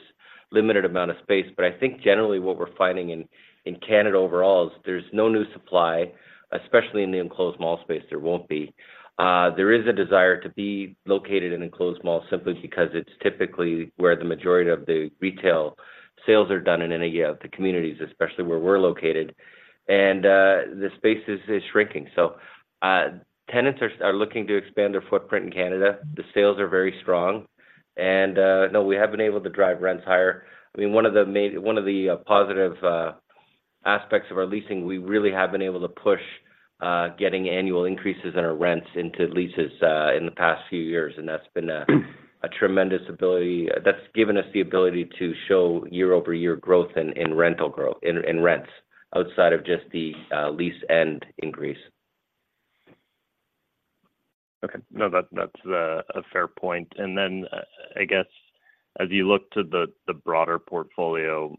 limited amount of space. But I think generally what we're finding in Canada overall is there's no new supply, especially in the enclosed mall space, there won't be. There is a desire to be located in enclosed malls simply because it's typically where the majority of the retail sales are done in any of the communities, especially where we're located. And the space is shrinking. So, tenants are looking to expand their footprint in Canada. The sales are very strong and, no, we have been able to drive rents higher. I mean, one of the positive aspects of our leasing, we really have been able to push getting annual increases in our rents into leases in the past few years, and that's been a tremendous ability. That's given us the ability to show year-over-year growth in rental growth in rents, outside of just the lease end increase. Okay. No, that, that's a fair point. And then, I guess as you look to the broader portfolio,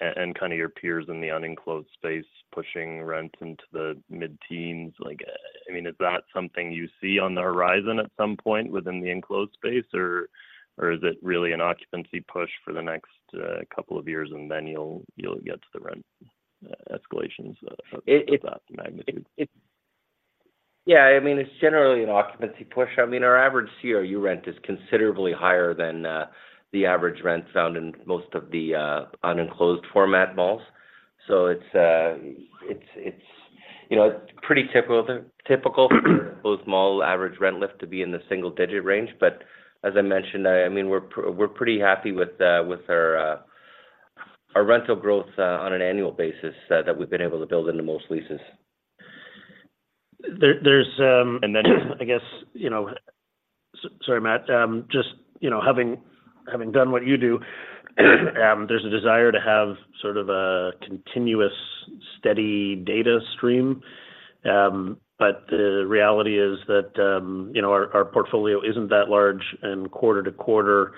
and kind of your peers in the unenclosed space, pushing rent into the mid-teens, like, I mean, is that something you see on the horizon at some point within the enclosed space, or is it really an occupancy push for the next couple of years, and then you'll get to the rent escalations of that magnitude? Yeah, I mean, it's generally an occupancy push. I mean, our average CRU rent is considerably higher than the average rent found in most of the unenclosed format malls. So it's, you know, it's pretty typical for both mall average rent lift to be in the single digit range. But as I mentioned, I mean, we're pretty happy with our rental growth on an annual basis that we've been able to build into most leases. There's... And then, I guess, you know... Sorry, Matt. Just, you know, having done what you do, there's a desire to have sort of a continuous, steady data stream. But the reality is that, you know, our portfolio isn't that large, and quarter to quarter,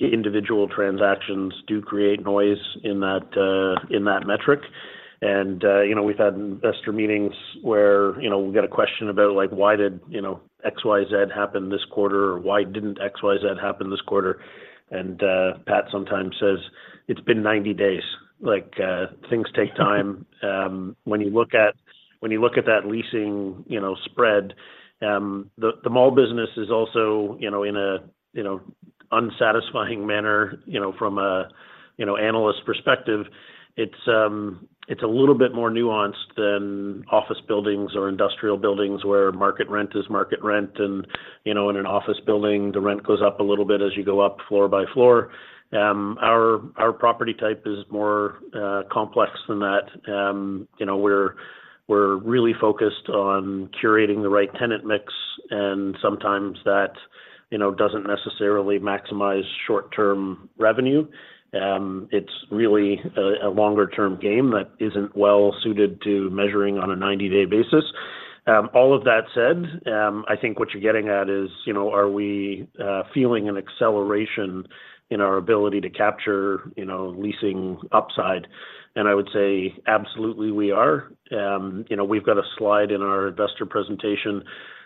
individual transactions do create noise in that metric. And, you know, we've had investor meetings where, you know, we get a question about, like, why did, you know, X, Y, Z happen this quarter? Or why didn't X, Y, Z happen this quarter? And, Pat sometimes says, "It's been 90 days." Like, things take time. When you look at, when you look at that leasing, you know, spread, the mall business is also, you know, in a, you know, unsatisfying manner, you know, from a, you know, analyst perspective. It's, it's a little bit more nuanced than office buildings or industrial buildings, where market rent is market rent. You know, in an office building, the rent goes up a little bit as you go up floor by floor. Our property type is more complex than that. You know, we're, we're really focused on curating the right tenant mix, and sometimes that, you know, doesn't necessarily maximize short-term revenue. It's really a longer-term game that isn't well suited to measuring on a 90-day basis. All of that said, I think what you're getting at is, you know, are we feeling an acceleration in our ability to capture, you know, leasing upside? And I would say absolutely, we are. You know, we've got a slide in our investor presentation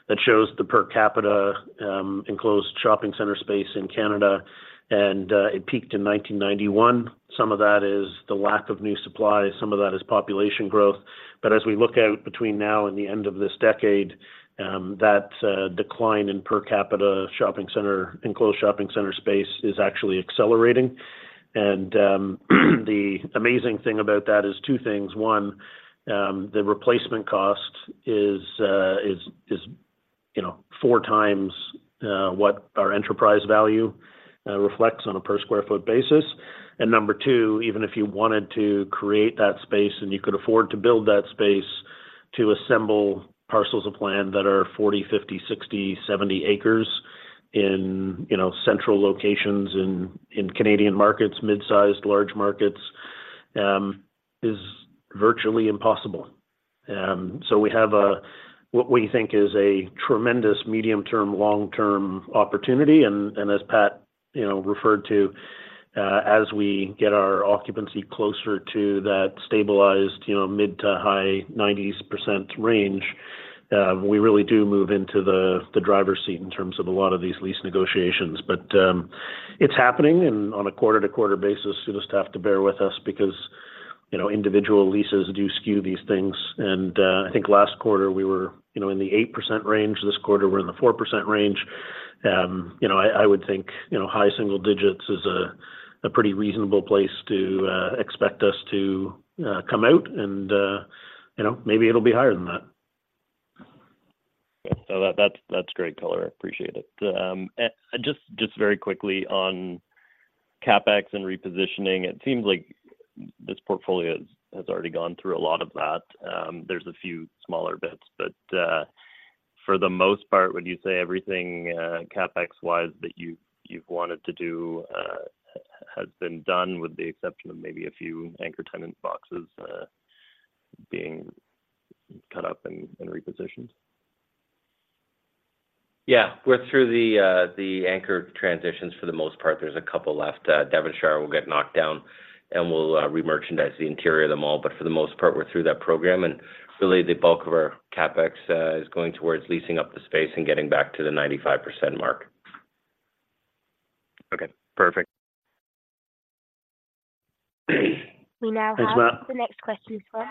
that shows the per capita enclosed shopping center space in Canada, and it peaked in 1991. Some of that is the lack of new supply, some of that is population growth. But as we look out between now and the end of this decade, that decline in per capita shopping center, enclosed shopping center space is actually accelerating. And the amazing thing about that is two things. One, the replacement cost is 4x what our enterprise value reflects on a per sq ft basis. And number two, even if you wanted to create that space, and you could afford to build that space, to assemble parcels of land that are 40 ac, 50 ac, 60 ac, 70 ac in, you know, central locations in, in Canadian markets, mid-sized, large markets, is virtually impossible. So we have a, what we think is a tremendous medium-term, long-term opportunity. And as Pat, you know, referred to, as we get our occupancy closer to that stabilized, you know, mid- to high-90s% range, we really do move into the driver's seat in terms of a lot of these lease negotiations. But it's happening, and on a quarter-to-quarter basis, you'll just have to bear with us because, you know, individual leases do skew these things. And I think last quarter we were, you know, in the 8% range. This quarter, we're in the 4% range. You know, I would think, you know, high single digits is a pretty reasonable place to expect us to come out, and you know, maybe it'll be higher than that.... So that, that's great color. I appreciate it. Just very quickly on CapEx and repositioning, it seems like this portfolio has already gone through a lot of that. There's a few smaller bits, but for the most part, would you say everything CapEx-wise that you've wanted to do has been done with the exception of maybe a few anchor tenant boxes being cut up and repositioned? Yeah. We're through the anchor transitions for the most part. There's a couple left. Devonshire will get knocked down, and we'll remerchandise the interior of the mall. But for the most part, we're through that program, and really, the bulk of our CapEx is going towards leasing up the space and getting back to the 95% mark. Okay, perfect. We now have- Thanks a lot. -The next question from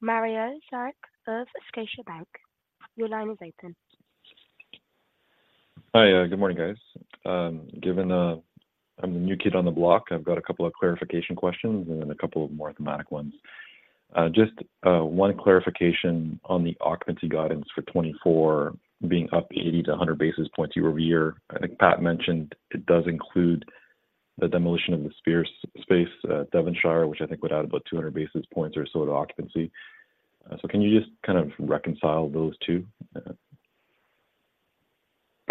Mario Saric of Scotiabank. Your line is open. Hi, good morning, guys. Given, I'm the new kid on the block, I've got a couple of clarification questions and then a couple of more automatic ones. Just, one clarification on the occupancy guidance for 2024 being up 80-100 basis points year-over-year. I think Pat mentioned it does include the demolition of the Sears space at Devonshire, which I think would add about 200 basis points or so to occupancy. So can you just kind of reconcile those two? The,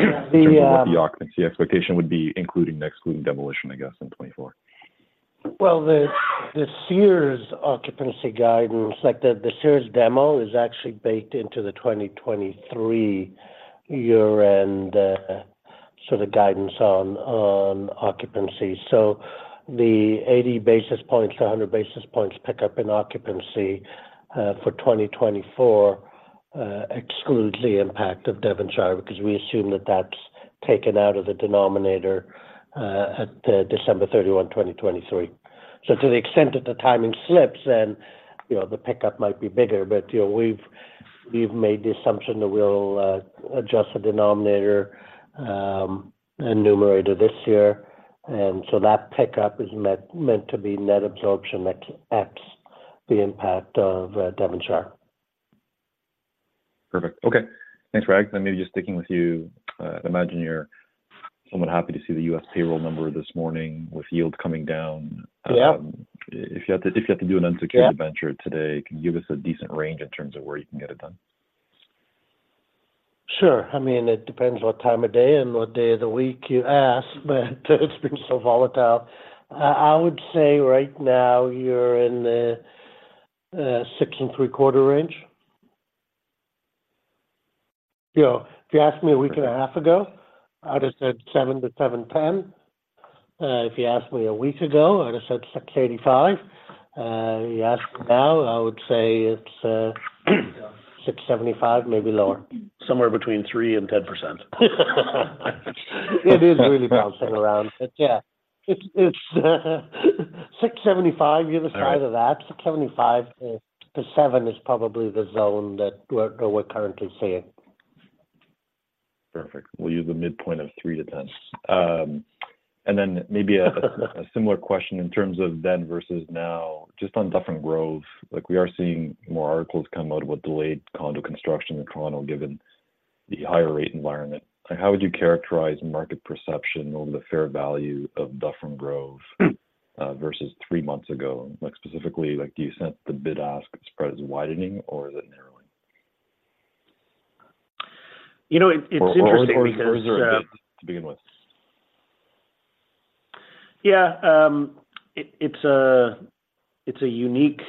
uh- What the occupancy expectation would be, including and excluding demolition, I guess, in 2024? Well, the Sears occupancy guidance, like the Sears demo, is actually baked into the 2023 year-end, sort of guidance on occupancy. So the 80 basis points to 100 basis points pickup in occupancy, for 2024, excludes the impact of Devonshire, because we assume that that's taken out of the denominator, at December 31, 2023. So to the extent that the timing slips, then, you know, the pickup might be bigger. But, you know, we've made the assumption that we'll adjust the denominator and numerator this year, and so that pickup is meant to be net absorption that offsets the impact of Devonshire. Perfect. Okay, thanks, Rags. Then maybe just sticking with you, I imagine you're somewhat happy to see the U.S. payroll number this morning with yields coming down. Yeah. If you had to do an unsecured venture today, can you give us a decent range in terms of where you can get it done? Sure. I mean, it depends what time of day and what day of the week you ask, but it's been so volatile. I would say right now you're in the 6.75% range. You know, if you asked me a week and a half ago, I'd have said 7%-7.10%. If you asked me a week ago, I'd have said, like, 8.5%. You ask me now, I would say it's 6.75%, maybe lower. Somewhere between 3% and 10%. It is really bouncing around, but yeah, it's 6.75%, either side of that. All right. 6.75%-7% is probably the zone that we're currently seeing. Perfect. We'll use the midpoint of three-10. And then maybe a similar question in terms of then versus now, just on Dufferin Grove. Like, we are seeing more articles come out about delayed condo construction in Toronto, given the higher rate environment. How would you characterize market perception on the fair value of Dufferin Grove versus three months ago? Like, specifically, like, do you sense the bid-ask spread is widening or is it narrowing? You know, it's interesting because, Or, is there a bid to begin with? Yeah, it's a unique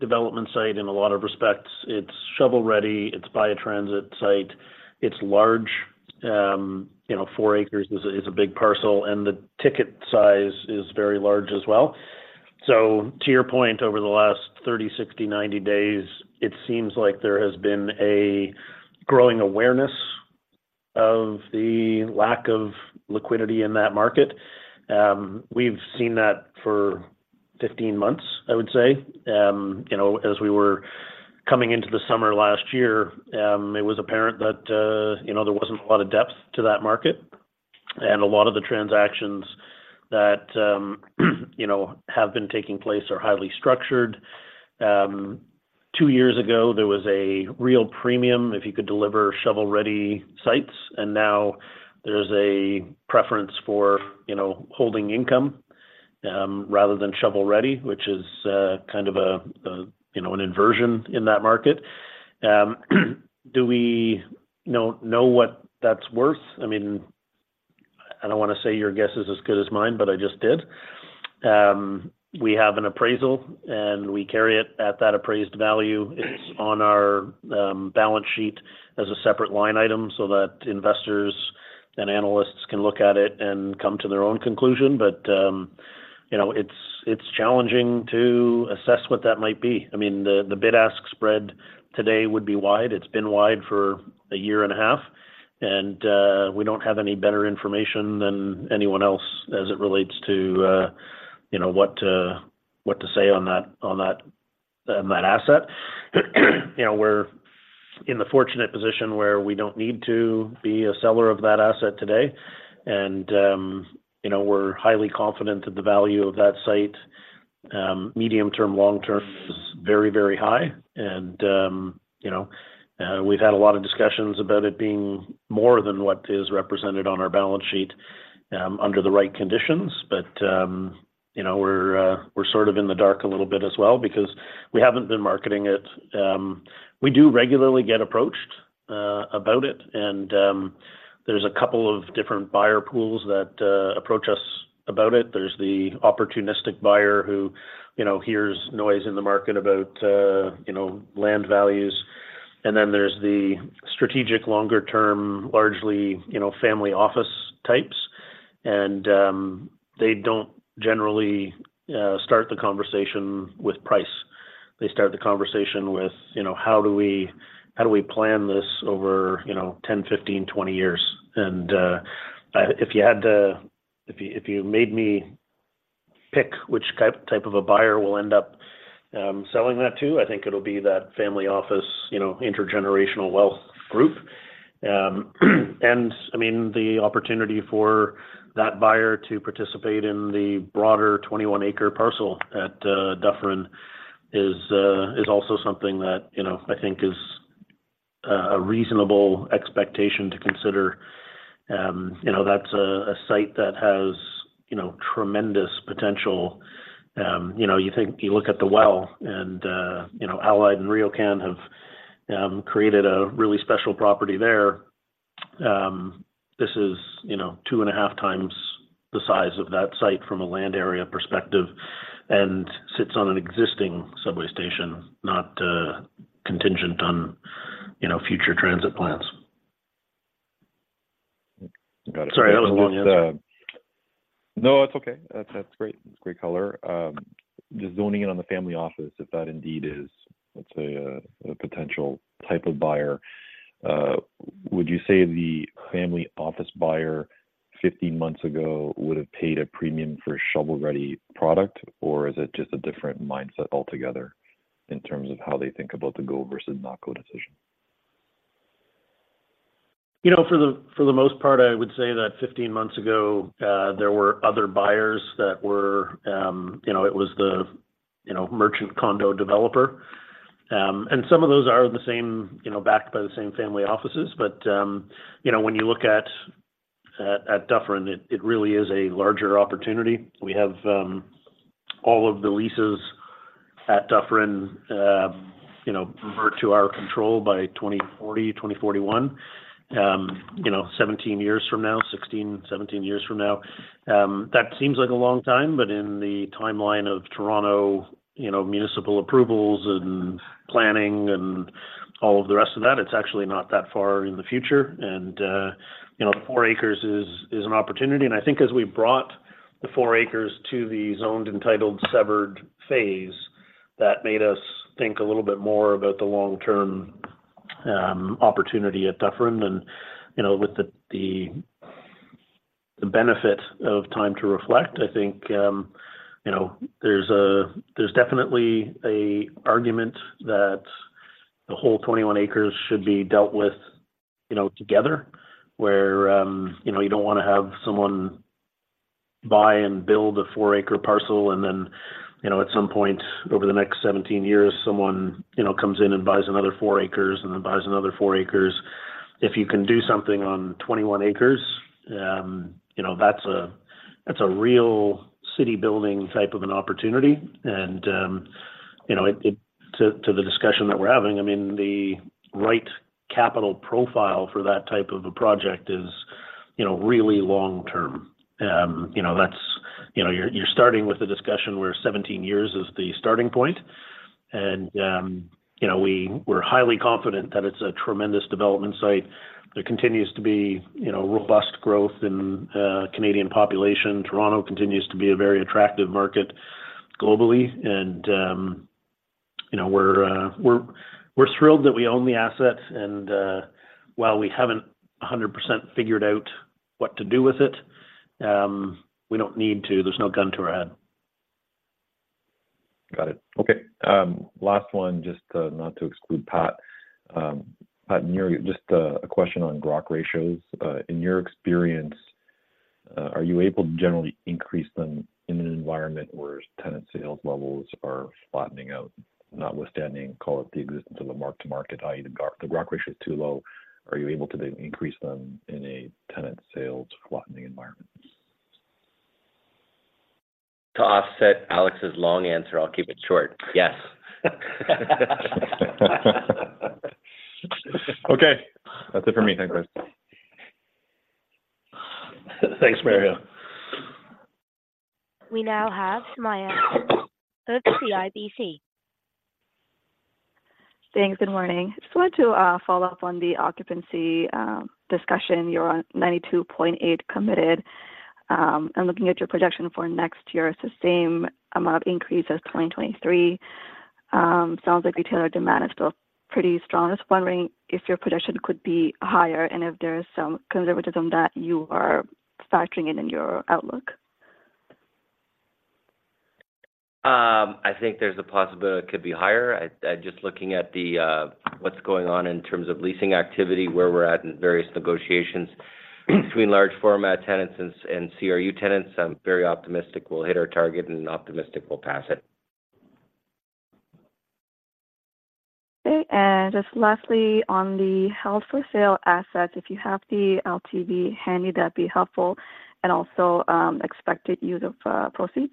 development site in a lot of respects. It's shovel-ready, it's by a transit site, it's large. You know, 4 ac is a big parcel, and the ticket size is very large as well. So to your point, over the last 30, 60, 90 days, it seems like there has been a growing awareness of the lack of liquidity in that market. We've seen that for 15 months, I would say. You know, as we were coming into the summer last year, it was apparent that, you know, there wasn't a lot of depth to that market, and a lot of the transactions that, you know, have been taking place are highly structured. Two years ago, there was a real premium if you could deliver shovel-ready sites, and now there's a preference for, you know, holding income rather than shovel-ready, which is kind of a you know, an inversion in that market. Do we know what that's worth? I mean, I don't want to say your guess is as good as mine, but I just did. We have an appraisal, and we carry it at that appraised value. It's on our balance sheet as a separate line item so that investors and analysts can look at it and come to their own conclusion. But, you know, it's challenging to assess what that might be. I mean, the bid-ask spread today would be wide. It's been wide for a year and a half, and we don't have any better information than anyone else as it relates to, you know, what to say on that asset. You know, we're in the fortunate position where we don't need to be a seller of that asset today, and, you know, we're highly confident that the value of that site medium-term, long-term is very, very high. And, you know, we've had a lot of discussions about it being more than what is represented on our balance sheet, under the right conditions. But, you know, we're sort of in the dark a little bit as well because we haven't been marketing it. We do regularly get approached about it, and there's a couple of different buyer pools that approach us about it. There's the opportunistic buyer who, you know, hears noise in the market about, you know, land values. And then there's the strategic, longer-term, largely, you know, family office types. And they don't generally start the conversation with price. They start the conversation with, you know, "How do we plan this over, you know, 10, 15, 20 years?" And if you made me pick which type of a buyer we'll end up selling that to, I think it'll be that family office, you know, intergenerational wealth group. I mean, the opportunity for that buyer to participate in the broader 21 ac parcel at Dufferin is also something that, you know, I think is a reasonable expectation to consider. You know, that's a site that has, you know, tremendous potential. You know, you think you look at The Well, and, you know, Allied and RioCan have created a really special property there. This is, you know, 2.5x the size of that site from a land area perspective, and sits on an existing subway station, not contingent on, you know, future transit plans. Got it. Sorry, that was a long answer. No, it's okay. That's, that's great. That's great color. Just zoning in on the family office, if that indeed is, let's say, a potential type of buyer, would you say the family office buyer 15 months ago would have paid a premium for a shovel-ready product, or is it just a different mindset altogether in terms of how they think about the go versus not-go decision? You know, for the most part, I would say that 15 months ago, there were other buyers that were, you know, it was the, you know, merchant condo developer. And some of those are the same, you know, backed by the same family offices. But, you know, when you look at Dufferin, it really is a larger opportunity. We have all of the leases at Dufferin, you know, revert to our control by 2040, 2041. You know, 17 years from now, 16-17 years from now. That seems like a long time, but in the timeline of Toronto, you know, municipal approvals and planning and all of the rest of that, it's actually not that far in the future. And, you know, the 4 ac is an opportunity. I think as we brought the 4 ac to the zoned, entitled, severed phase, that made us think a little bit more about the long-term opportunity at Dufferin. You know, with the benefit of time to reflect, I think, you know, there's definitely a argument that the whole 21 ac should be dealt with, you know, together. Where, you know, you don't want to have someone buy and build a 4 ac parcel, and then, you know, at some point over the next 17 years, someone, you know, comes in and buys another 4 ac and then buys another 4 ac. If you can do something on 21 ac, you know, that's a, that's a real city-building type of an opportunity. You know, to the discussion that we're having, I mean, the right capital profile for that type of a project is, you know, really long term. You know, you're starting with a discussion where 17 years is the starting point, and, you know, we're highly confident that it's a tremendous development site. There continues to be, you know, robust growth in Canadian population. Toronto continues to be a very attractive market globally, and, you know, we're thrilled that we own the asset. And, while we haven't 100% figured out what to do with it, we don't need to. There's no gun to our head. Got it. Okay, last one, just, not to exclude Pat. Pat [inaudibe], just, a question on GROC ratios. In your experience, are you able to generally increase them in an environment where tenant sales levels are flattening out, notwithstanding, call it the existence of a mark-to-market high? The GROC ratio is too low, are you able to increase them in a tenant sales flattening environment? To offset Alex's long answer, I'll keep it short. Yes. Okay. That's it for me. Thanks, guys. Thanks, Mario. We now have Sumayya of CIBC. Thanks, and morning. Just wanted to follow up on the occupancy discussion. You're on 92.8 committed, and looking at your projection for next year, it's the same amount of increase as 2023. Sounds like retailer demand is still pretty strong. Just wondering if your projection could be higher and if there is some conservatism that you are factoring in in your outlook. I think there's a possibility it could be higher. Just looking at what's going on in terms of leasing activity, where we're at in various negotiations between large format tenants and CRU tenants, I'm very optimistic we'll hit our target and optimistic we'll pass it. Okay, and just lastly, on the held-for-sale assets, if you have the LTV handy, that'd be helpful, and also expected use of proceeds.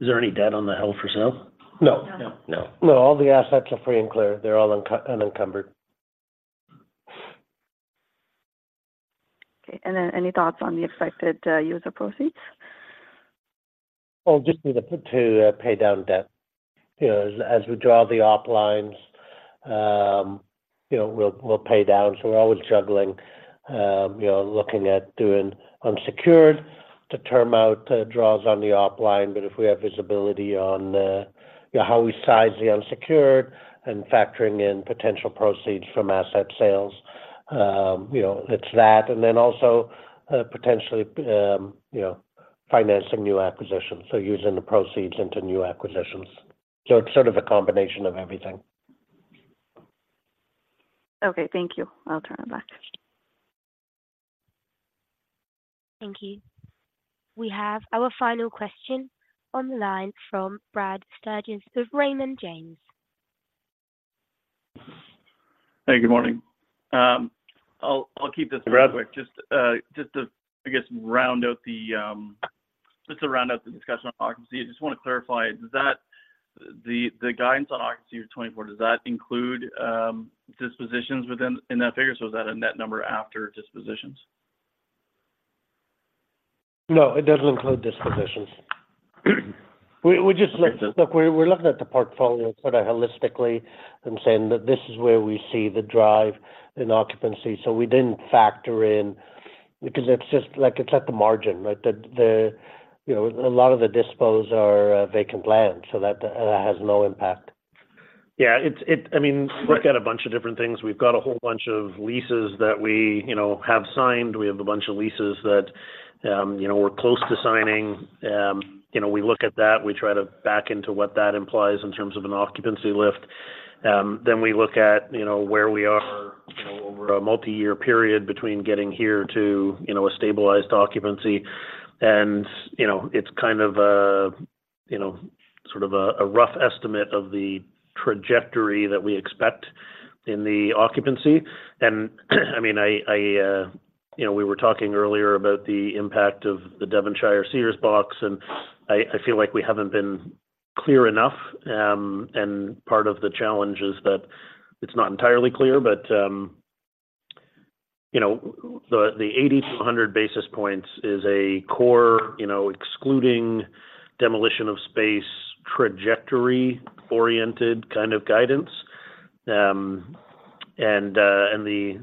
Is there any debt on the held for sale? No. No. No. No, all the assets are free and clear. They're all unencumbered. Okay. And then any thoughts on the expected use of proceeds? Well, just to pay down debt. You know, as we draw the op lines, you know, we'll pay down. So we're always juggling, you know, looking at doing unsecured to term out draws on the op line. But if we have visibility on, you know, how we size the unsecured and factoring in potential proceeds from asset sales, you know, it's that, and then also, potentially, you know, financing new acquisitions, so using the proceeds into new acquisitions. So it's sort of a combination of everything. Okay. Thank you. I'll turn it back. Thank you. We have our final question on the line from Brad Sturges of Raymond James. Hey, good morning. I'll keep this quick. Hey, Brad. Just, just to, I guess, round out the, just to round out the discussion on occupancy, I just want to clarify, does that, the, the guidance on occupancy in 2024, does that include, dispositions within, in that figure? So is that a net number after dispositions? No, it doesn't include dispositions. We just look. We're looking at the portfolio sort of holistically and saying that this is where we see the drive in occupancy. So we didn't factor in, because it's just like it's at the margin, right? The, you know, a lot of the dispos are vacant land, so that has no impact. Yeah, it's. I mean, we've got a bunch of different things. We've got a whole bunch of leases that we, you know, have signed. We have a bunch of leases that, you know, we're close to signing. You know, we look at that, we try to back into what that implies in terms of an occupancy lift. Then we look at, you know, where we are, you know, over a multi-year period between getting here to, you know, a stabilized occupancy. And, you know, it's kind of a, you know, sort of a rough estimate of the trajectory that we expect in the occupancy. And, I mean, you know, we were talking earlier about the impact of the Devonshire Sears box, and I feel like we haven't been clear enough. And part of the challenge is that it's not entirely clear, but, you know, the 80-100 basis points is a core, excluding demolition of space, trajectory-oriented kind of guidance. And,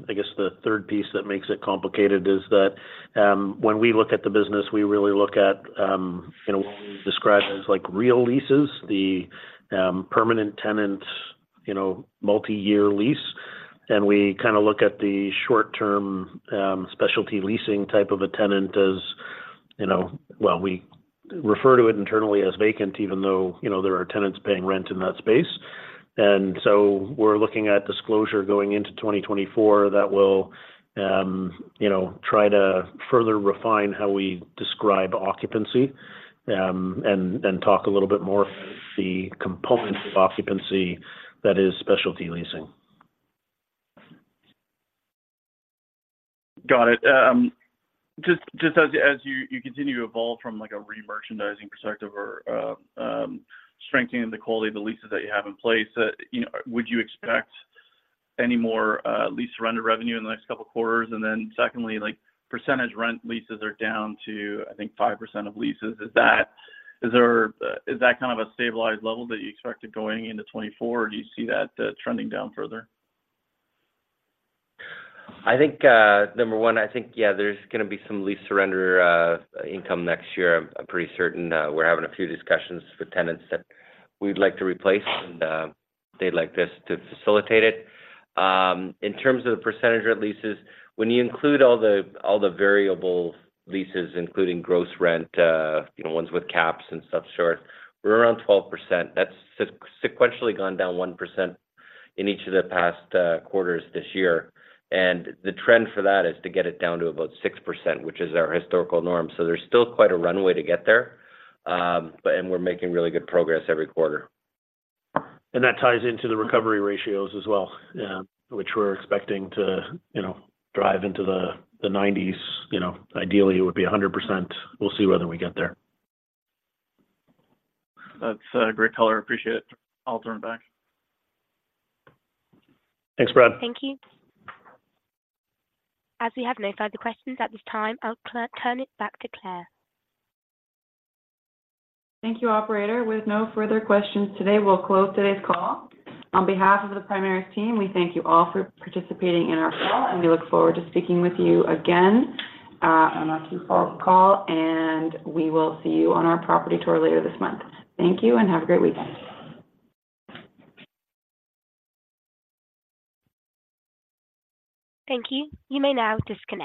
I guess, the third piece that makes it complicated is that, when we look at the business, we really look at, you know, what we describe as like real leases, the permanent tenant, multi-year lease. And we kind of look at the short-term, specialty leasing type of a tenant as... Well, we refer to it internally as vacant, even though, you know, there are tenants paying rent in that space. And so we're looking at disclosure going into 2024 that will, you know, try to further refine how we describe occupancy, and talk a little bit more the components of occupancy that is specialty leasing. Got it. Just as you continue to evolve from, like, a remerchandising perspective or strengthening the quality of the leases that you have in place, you know, would you expect any more lease surrender revenue in the next couple of quarters? And then secondly, like, percentage rent leases are down to, I think, 5% of leases. Is that kind of a stabilized level that you expected going into 2024, or do you see that trending down further? I think, number one, I think, yeah, there's gonna be some lease surrender income next year. I'm pretty certain, we're having a few discussions with tenants that we'd like to replace, and, they'd like this to facilitate it. In terms of the percentage of leases, when you include all the, all the variable leases, including gross rent, you know, ones with caps and stuff short, we're around 12%. That's sequentially gone down 1% in each of the past, quarters this year. And the trend for that is to get it down to about 6%, which is our historical norm. So there's still quite a runway to get there, but and we're making really good progress every quarter. That ties into the recovery ratios as well, which we're expecting to, you know, drive into the 90s. You know, ideally, it would be 100%. We'll see whether we get there. That's a great color. I appreciate it. I'll turn it back. Thanks, Brad. Thank you. As we have no further questions at this time, I'll turn it back to Claire. Thank you, operator. With no further questions today, we'll close today's call. On behalf of the Primaris team, we thank you all for participating in our call, and we look forward to speaking with you again on our Q4 call, and we will see you on our property tour later this month. Thank you and have a great weekend. Thank you. You may now disconnect.